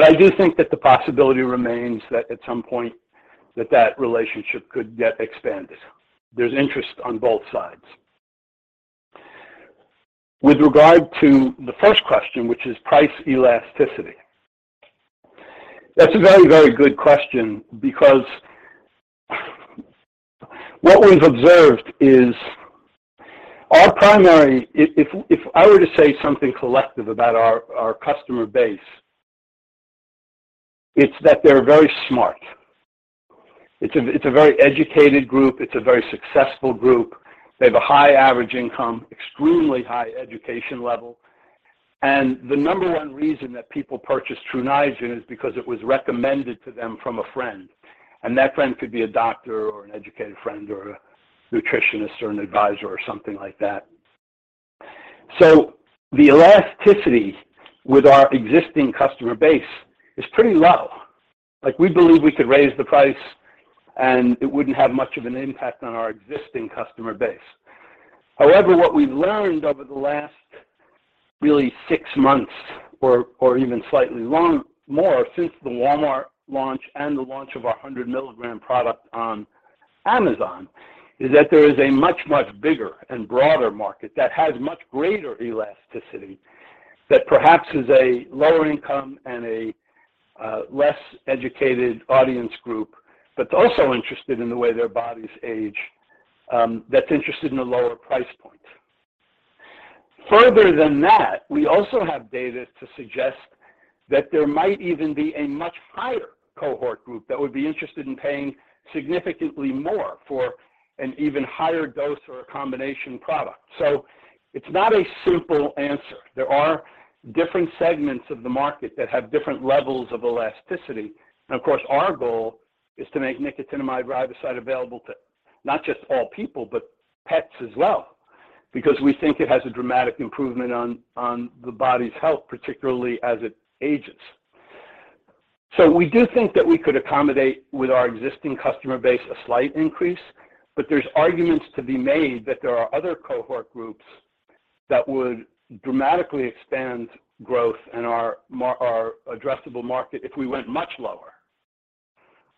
I do think that the possibility remains that at some point, that relationship could get expanded. There's interest on both sides. With regard to the first question, which is price elasticity, that's a very, very good question because what we've observed is, if I were to say something collectively about our customer base, it's that they're very smart. It's a very educated group. It's a very successful group. They have a high average income, extremely high education level. The number one reason that people purchase Tru Niagen is because it was recommended to them from a friend, and that friend could be a doctor or an educated friend or a nutritionist or an advisor or something like that. The elasticity with our existing customer base is pretty low. Like, we believe we could raise the price, and it wouldn't have much of an impact on our existing customer base. However, what we've learned over the last really six months or even more since the Walmart launch and the launch of our 100-milligram product on Amazon is that there is a much, much bigger and broader market that has much greater elasticity, that perhaps is a lower income and a less educated audience group, but also interested in the way their bodies age, that's interested in a lower price point. Further than that, we also have data to suggest that there might even be a much higher cohort group that would be interested in paying significantly more for an even higher dose or a combination product. So it's not a simple answer. There are different segments of the market that have different levels of elasticity. Of course, our goal is to make nicotinamide riboside available to not just all people, but pets as well, because we think it has a dramatic improvement on the body's health, particularly as it ages. We do think that we could accommodate with our existing customer base a slight increase, but there's arguments to be made that there are other cohort groups that would dramatically expand growth in our addressable market if we went much lower,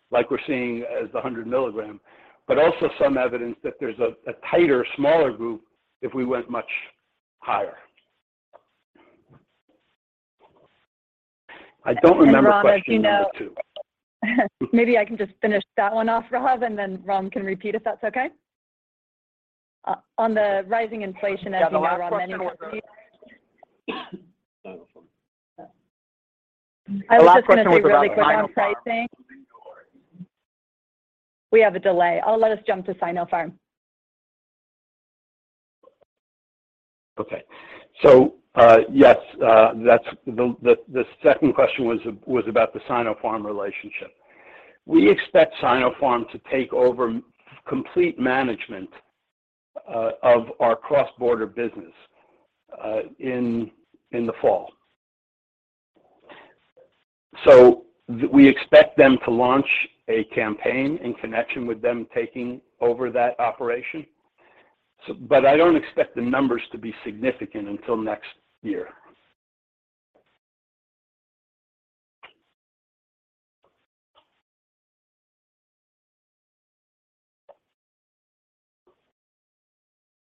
like we're seeing as the 100 milligram, but also some evidence that there's a tighter, smaller group if we went much higher. I don't remember question number two. Ram, as you know. Maybe I can just finish that one off, Rob, and then Ram can repeat if that's okay. On the rising inflation, as you know, Ram, many companies. The last question was about Sinopharm. I was just going to say regarding pricing. The last question was about Sinopharm. We have a delay. I'll let us jump to Sinopharm. That's the second question was about the Sinopharm relationship. We expect Sinopharm to take over complete management of our cross-border business in the fall. We expect them to launch a campaign in connection with them taking over that operation. But I don't expect the numbers to be significant until next year.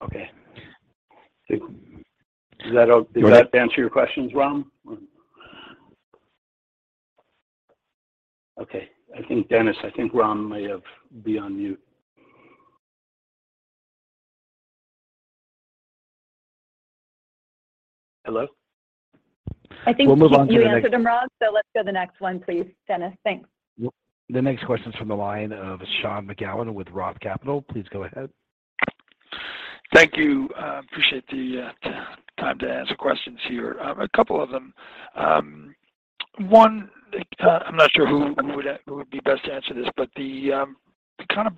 Okay. Did that answer your questions, Ram? Okay. I think, Dennis, I think Ram may be on mute. Hello? I think you answered them, Rob. We'll move on to the next. Let's go to the next one, please, Dennis. Thanks. The next question is from the line of Sean McGowan with Roth Capital. Please go ahead. Thank you. Appreciate the time to answer questions here. A couple of them, one, I'm not sure who would be best to answer this, the kind of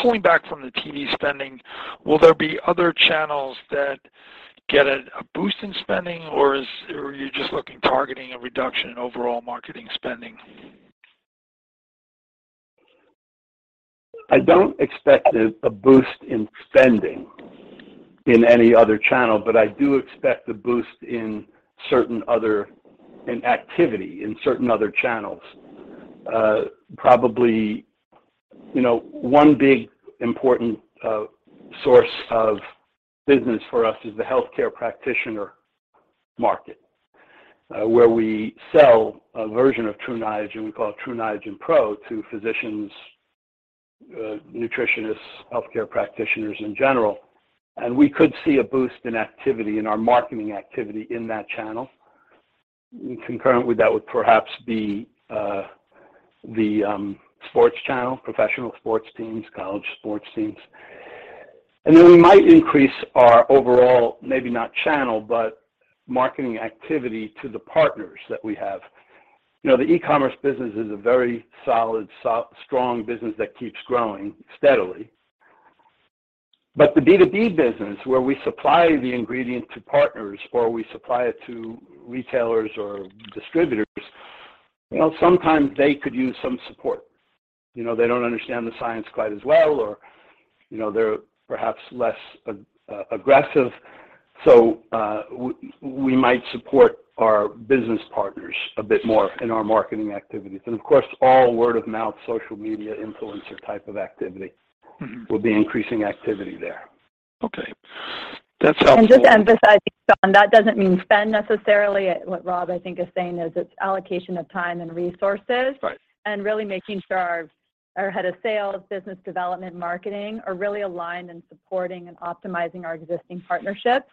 pulling back from the TV spending. Will there be other channels that get a boost in spending, or are you just looking at targeting a reduction in overall marketing spending? I don't expect a boost in spending in any other channel, but I do expect a boost in activity in certain other channels. Probably, you know, one big important source of business for us is the healthcare practitioner market, where we sell a version of Tru Niagen, we call it Tru Niagen Pro, to physicians, nutritionists, healthcare practitioners in general, and we could see a boost in activity in our marketing activity in that channel. Concurrent with that would perhaps be the sports channel, professional sports teams, college sports teams. We might increase our overall, maybe not channel, but marketing activity to the partners that we have. You know, the e-commerce business is a very solid, strong business that keeps growing steadily. The B2B business, where we supply the ingredient to partners, or we supply it to retailers or distributors, well, sometimes they could use some support. You know, they don't understand the science quite as well or, you know, they're perhaps less aggressive. We might support our business partners a bit more in our marketing activities. Of course, all word of mouth, social media influencer type of activity. Mm-hmm We'll be increasing activity there. Okay. That's helpful. Just to emphasize, Sean, that doesn't mean spend necessarily. What Rob, I think, is saying is it's allocation of time and resources. Right really making sure our head of sales, business development, marketing are really aligned in supporting and optimizing our existing partnerships.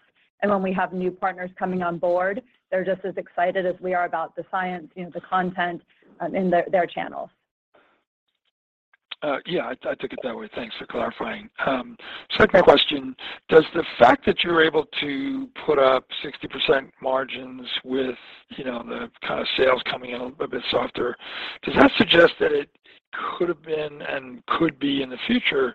When we have new partners coming on board, they're just as excited as we are about the science, you know, the content in their channels. Yeah. I took it that way. Thanks for clarifying. Second question, does the fact that you're able to put up 60% margins with, you know, the kind of sales coming in a bit softer, does that suggest that it could have been, and could be in the future,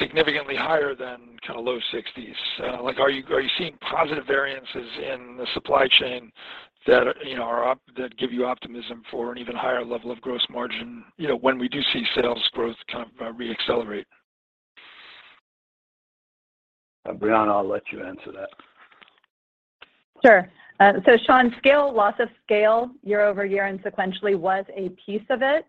significantly higher than kind of low 60%s? Like are you seeing positive variances in the supply chain that, you know, give you optimism for an even higher level of gross margin, you know, when we do see sales growth kind of re-accelerate? Brianna, I'll let you answer that. Sure. Sean, loss of scale year over year and sequentially was a piece of it.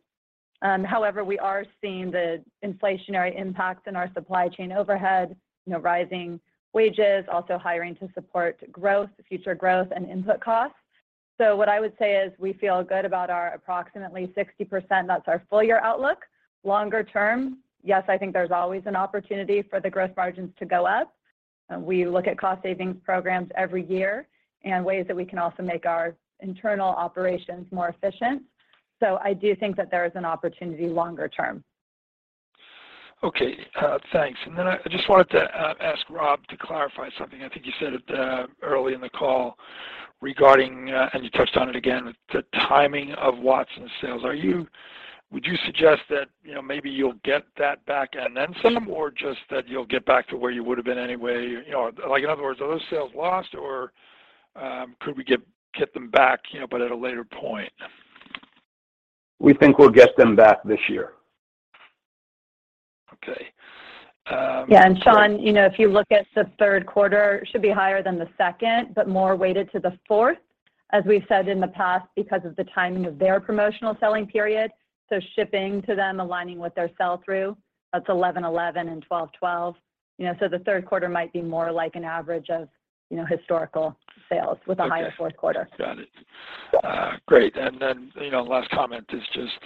However, we are seeing the inflationary impact in our supply chain overhead, you know, rising wages, also hiring to support growth, future growth and input costs. What I would say is we feel good about our approximately 60%, that's our full year outlook. Longer term, yes, I think there's always an opportunity for the gross margins to go up. We look at cost savings programs every year and ways that we can also make our internal operations more efficient. I do think that there is an opportunity longer term. Okay. Thanks. I just wanted to ask Rob to clarify something. I think you said it early in the call regarding and you touched on it again, the timing of Watsons' sales. Would you suggest that, you know, maybe you'll get that back and then some, or just that you'll get back to where you would've been anyway? You know, like in other words, are those sales lost or could we get them back, you know, but at a later point? We think we'll get them back this year. Okay. Yeah. Sean, you know, if you look at the third quarter, it should be higher than the second, but more weighted to the fourth, as we've said in the past because of the timing of their promotional selling period. Shipping to them, aligning with their sell through, that's 11/11 and 12/12. You know, the third quarter might be more like an average of, you know, historical sales with a higher fourth quarter. Got it. Great. You know, last comment is just,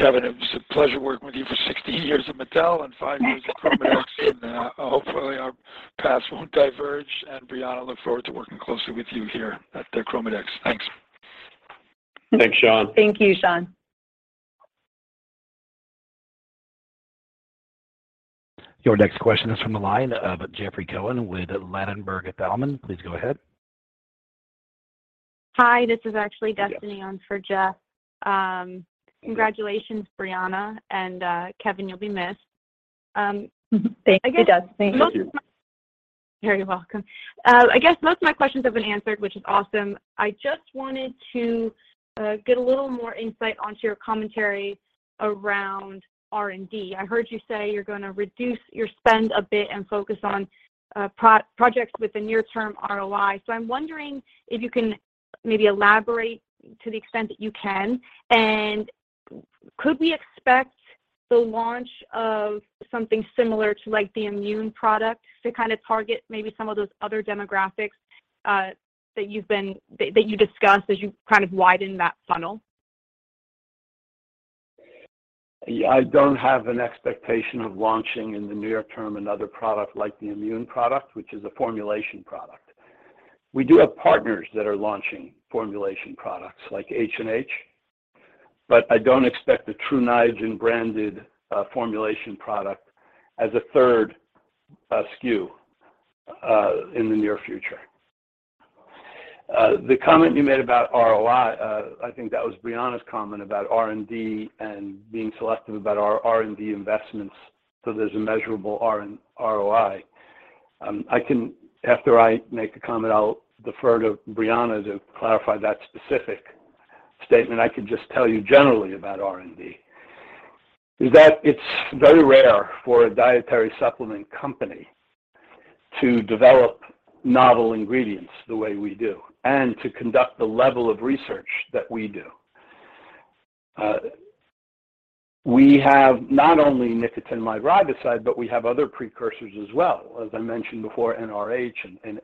Kevin, it was a pleasure working with you for 16 years at Mattel and five years at ChromaDex. Hopefully our paths won't diverge. Brianna, look forward to working closely with you here at ChromaDex. Thanks. Thanks, Sean. Thank you, Sean. Your next question is from the line of Jeffrey Cohen with Ladenburg Thalmann. Please go ahead. Hi, this is actually Destiny on for Jeff. Congratulations, Brianna and Kevin, you'll be missed. Thank you, Destiny. I guess most of my. Thank you. You're very welcome. I guess most of my questions have been answered, which is awesome. I just wanted to get a little more insight onto your commentary around R&D. I heard you say you're gonna reduce your spend a bit and focus on projects with the near-term ROI. I'm wondering if you can maybe elaborate to the extent that you can, and could we expect the launch of something similar to like the immune product to kind of target maybe some of those other demographics that you discussed as you kind of widen that funnel? Yeah. I don't have an expectation of launching in the near term another product like the immune product, which is a formulation product. We do have partners that are launching formulation products like H&H. But I don't expect the Tru Niagen branded formulation product as a third SKU in the near future. The comment you made about ROI, I think that was Brianna's comment about R&D and being selective about our R&D investments so there's a measurable ROI. After I make a comment, I'll defer to Brianna, to clarify that specific statement. I can just tell you generally about R&D, is that it's very rare for a dietary supplement company to develop novel ingredients the way we do and to conduct the level of research that we do. We have not only nicotinamide riboside, but we have other precursors as well, as I mentioned before, NRH and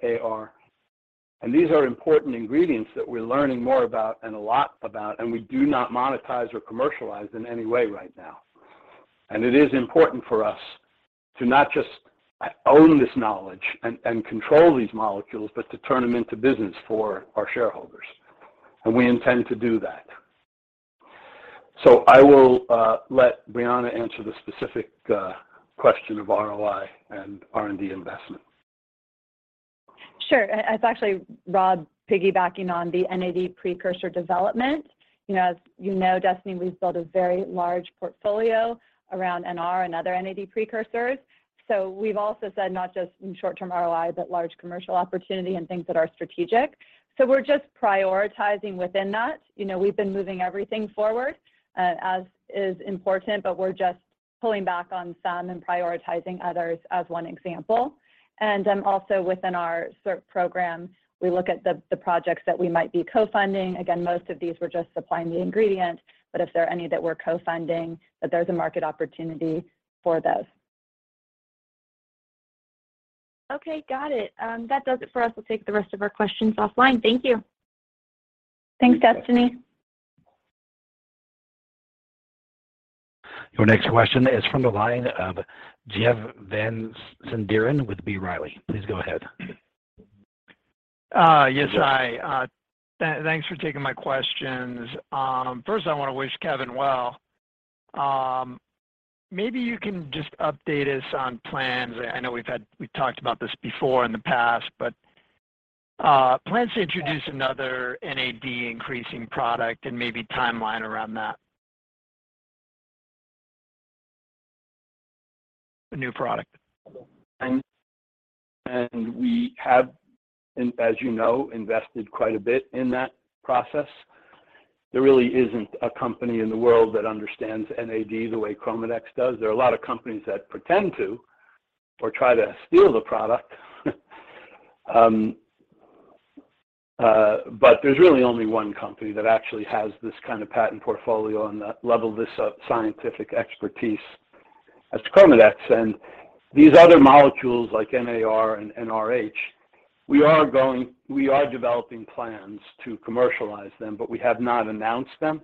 NAR. These are important ingredients that we're learning more about and a lot about, and we do not monetize or commercialize in any way right now. It is important for us to not just own this knowledge and control these molecules, but to turn them into business for our shareholders, and we intend to do that. I will let Brianna answer the specific question of ROI and R&D investment. Sure. Actually Rob, piggybacking on the NAD precursor development. You know, as you know, Destiny, we've built a very large portfolio around NR and other NAD precursors. We've also said not just in short-term ROI, but large commercial opportunity and things that are strategic. We're just prioritizing within that. You know, we've been moving everything forward as is important, but we're just pulling back on some and prioritizing others as one example. Also within our CERT program, we look at the projects that we might be co-funding. Again, most of these we're just supplying the ingredient, but if there are any that we're co-funding, that there's a market opportunity for those. Okay. Got it. That does it for us. We'll take the rest of our questions offline. Thank you. Thanks, Destiny.Thank you. Your next question is from the line of Jeff Van Sinderen with B. Riley. Please go ahead. Yes, hi. Thanks for taking my questions. First, I wanna wish Kevin well. Maybe you can just update us on plans. I know we've talked about this before in the past, but plans to introduce another NAD increasing product and maybe timeline around that. A new product. We have, as you know, invested quite a bit in that process. There really isn't a company in the world that understands NAD the way ChromaDex does. There are a lot of companies that pretend to or try to steal the product, but there's really only one company that actually has this kind of patent portfolio and the level of this scientific expertise. That's ChromaDex. These other molecules like NAR and NRH, we are developing plans to commercialize them, but we have not announced them,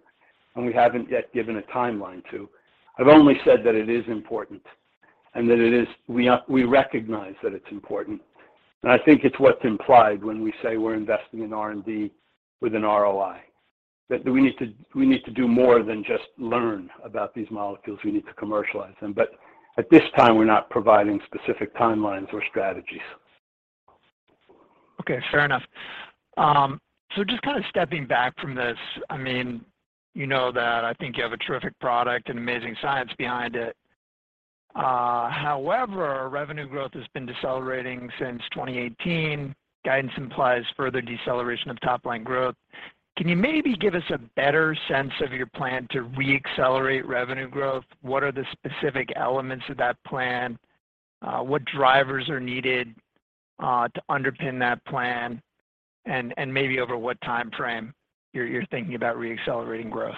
and we haven't yet given a timeline to. I've only said that it is important and we recognize that it's important. I think it's what's implied when we say we're investing in R&D with an ROI, that we need to do more than just learn about these molecules. We need to commercialize them. At this time, we're not providing specific timelines or strategies. Okay. Fair enough. So just kinda stepping back from this, I mean, you know that I think you have a terrific product and amazing science behind it. However, revenue growth has been decelerating since 2018. Guidance implies further deceleration of top line growth. Can you maybe give us a better sense of your plan to reaccelerate revenue growth? What are the specific elements of that plan? What drivers are needed to underpin that plan? Maybe over what timeframe you're thinking about reaccelerating growth?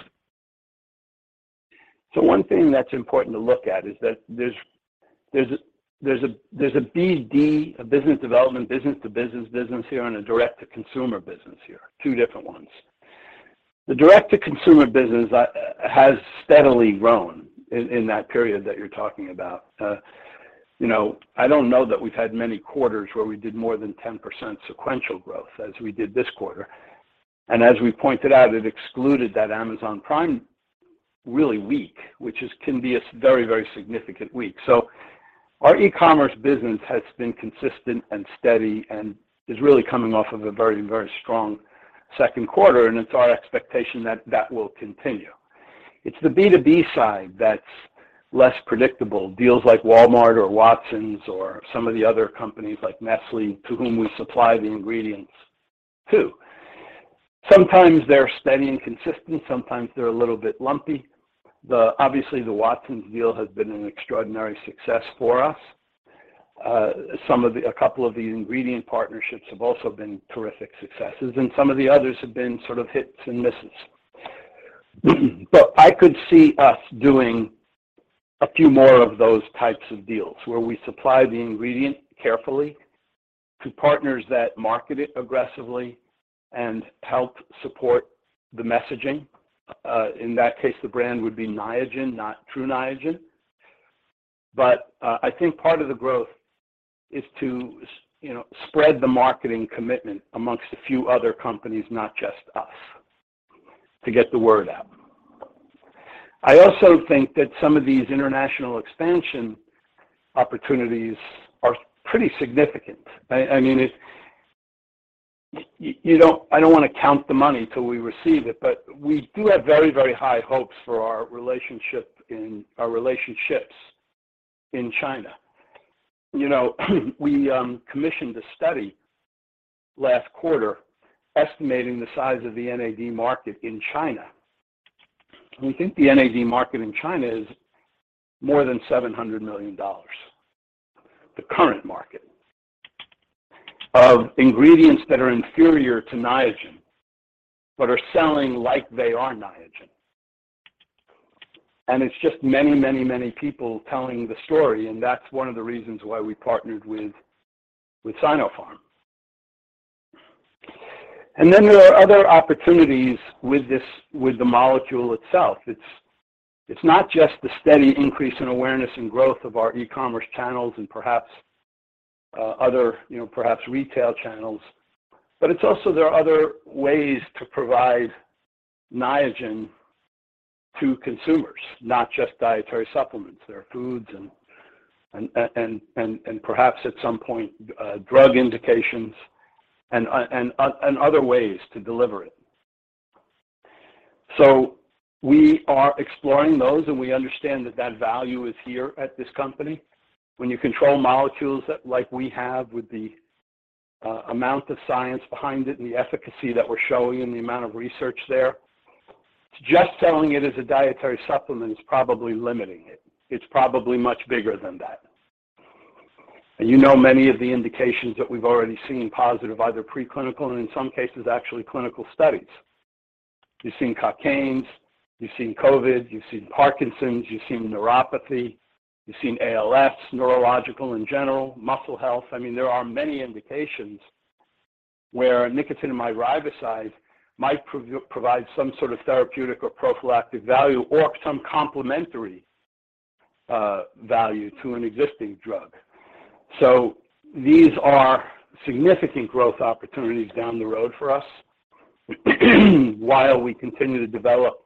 One thing that's important to look at is that there's a BD, a business development, business to business business here and a direct to consumer business here. Two different ones. The direct to consumer business has steadily grown in that period that you're talking about. You know, I don't know that we've had many quarters where we did more than 10% sequential growth as we did this quarter. As we pointed out, it excluded that Amazon Prime Day really weak week, which can be a very, very significant week. Our e-commerce business has been consistent and steady and is really coming off of a very, very strong second quarter, and it's our expectation that that will continue. It's the B2B side that's less predictable. Deals like Walmart or Watsons or some of the other companies like Nestlé, to whom we supply the ingredients to, sometimes they're steady and consistent, sometimes they're a little bit lumpy. Obviously, the Watsons deal has been an extraordinary success for us. A couple of the ingredient partnerships have also been terrific successes, and some of the others have been sort of hits and misses. I could see us doing a few more of those types of deals where we supply the ingredient carefully to partners that market it aggressively and help support the messaging. In that case, the brand would be Niagen, not Tru Niagen. I think part of the growth is to you know, spread the marketing commitment amongst a few other companies, not just us, to get the word out. I also think that some of these international expansion opportunities are pretty significant. I don't want to count the money 'til we receive it, but we do have very, very high hopes for our relationships in China. We commissioned a study last quarter estimating the size of the NAD market in China. We think the NAD market in China is more than $700 million. The current market of ingredients that are inferior to Niagen but are selling like they are Niagen. It's just many, many, many people telling the story, and that's one of the reasons why we partnered with Sinopharm. Then there are other opportunities with this molecule itself. It's not just the steady increase in awareness and growth of our e-commerce channels and perhaps other perhaps retail channels, but it's also there are other ways to provide Niagen to consumers, not just dietary supplements. There are foods and perhaps at some point drug indications and other ways to deliver it. We are exploring those, and we understand that value is here at this company. When you control molecules like we have with the amount of science behind it and the efficacy that we're showing and the amount of research there, just selling it as a dietary supplement is probably limiting it. It's probably much bigger than that. You know many of the indications that we've already seen positive, either preclinical and in some cases, actually clinical studies. You've seen cocoons, you've seen COVID, you've seen Parkinson's, you've seen neuropathy, you've seen ALS, neurological in general, muscle health. I mean, there are many indications where nicotinamide riboside might provide some sort of therapeutic or prophylactic value or some complementary value to an existing drug. These are significant growth opportunities down the road for us while we continue to develop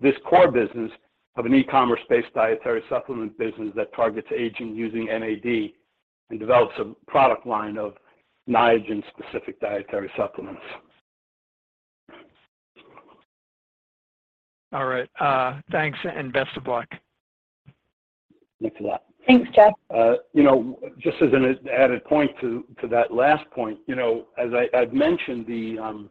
this core business of an e-commerce-based dietary supplement business that targets aging using NAD and develops a product line of Niagen-specific dietary supplements. All right. Thanks, and best of luck. Thanks a lot. Thanks, Jeffrey. You know, just as an added point to that last point, you know, I've mentioned the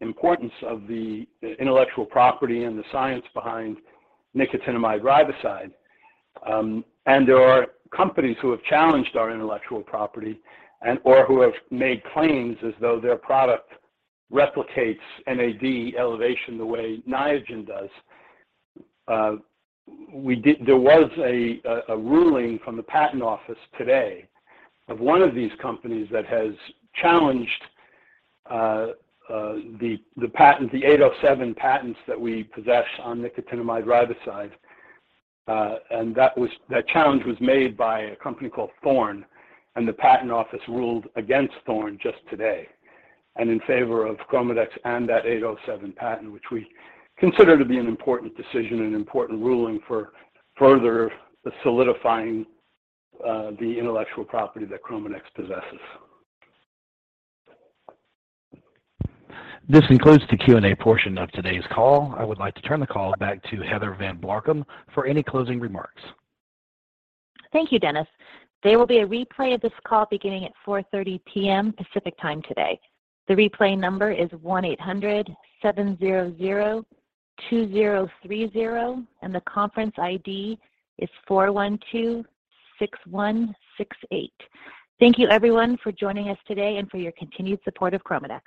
importance of the intellectual property and the science behind nicotinamide riboside. There are companies who have challenged our intellectual property and/or who have made claims as though their product replicates NAD elevation the way Niagen does. There was a ruling from the patent office today of one of these companies that has challenged the 807 patents that we possess on nicotinamide riboside. That challenge was made by a company called Thorne, and the patent office ruled against Thorne just today and in favor of ChromaDex and that 807 patent, which we consider to be an important decision, an important ruling for further solidifying the intellectual property that ChromaDex possesses. This concludes the Q&A portion of today's call. I would like to turn the call back to Heather Van Blarcom for any closing remarks. Thank you, Dennis. There will be a replay of this call beginning at 4:30 P.M. Pacific Time today. The replay number is 1-800-700-2030, and the conference ID is 412-6168. Thank you, everyone, for joining us today and for your continued support of ChromaDex.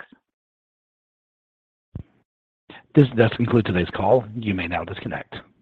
This does conclude today's call. You may now disconnect.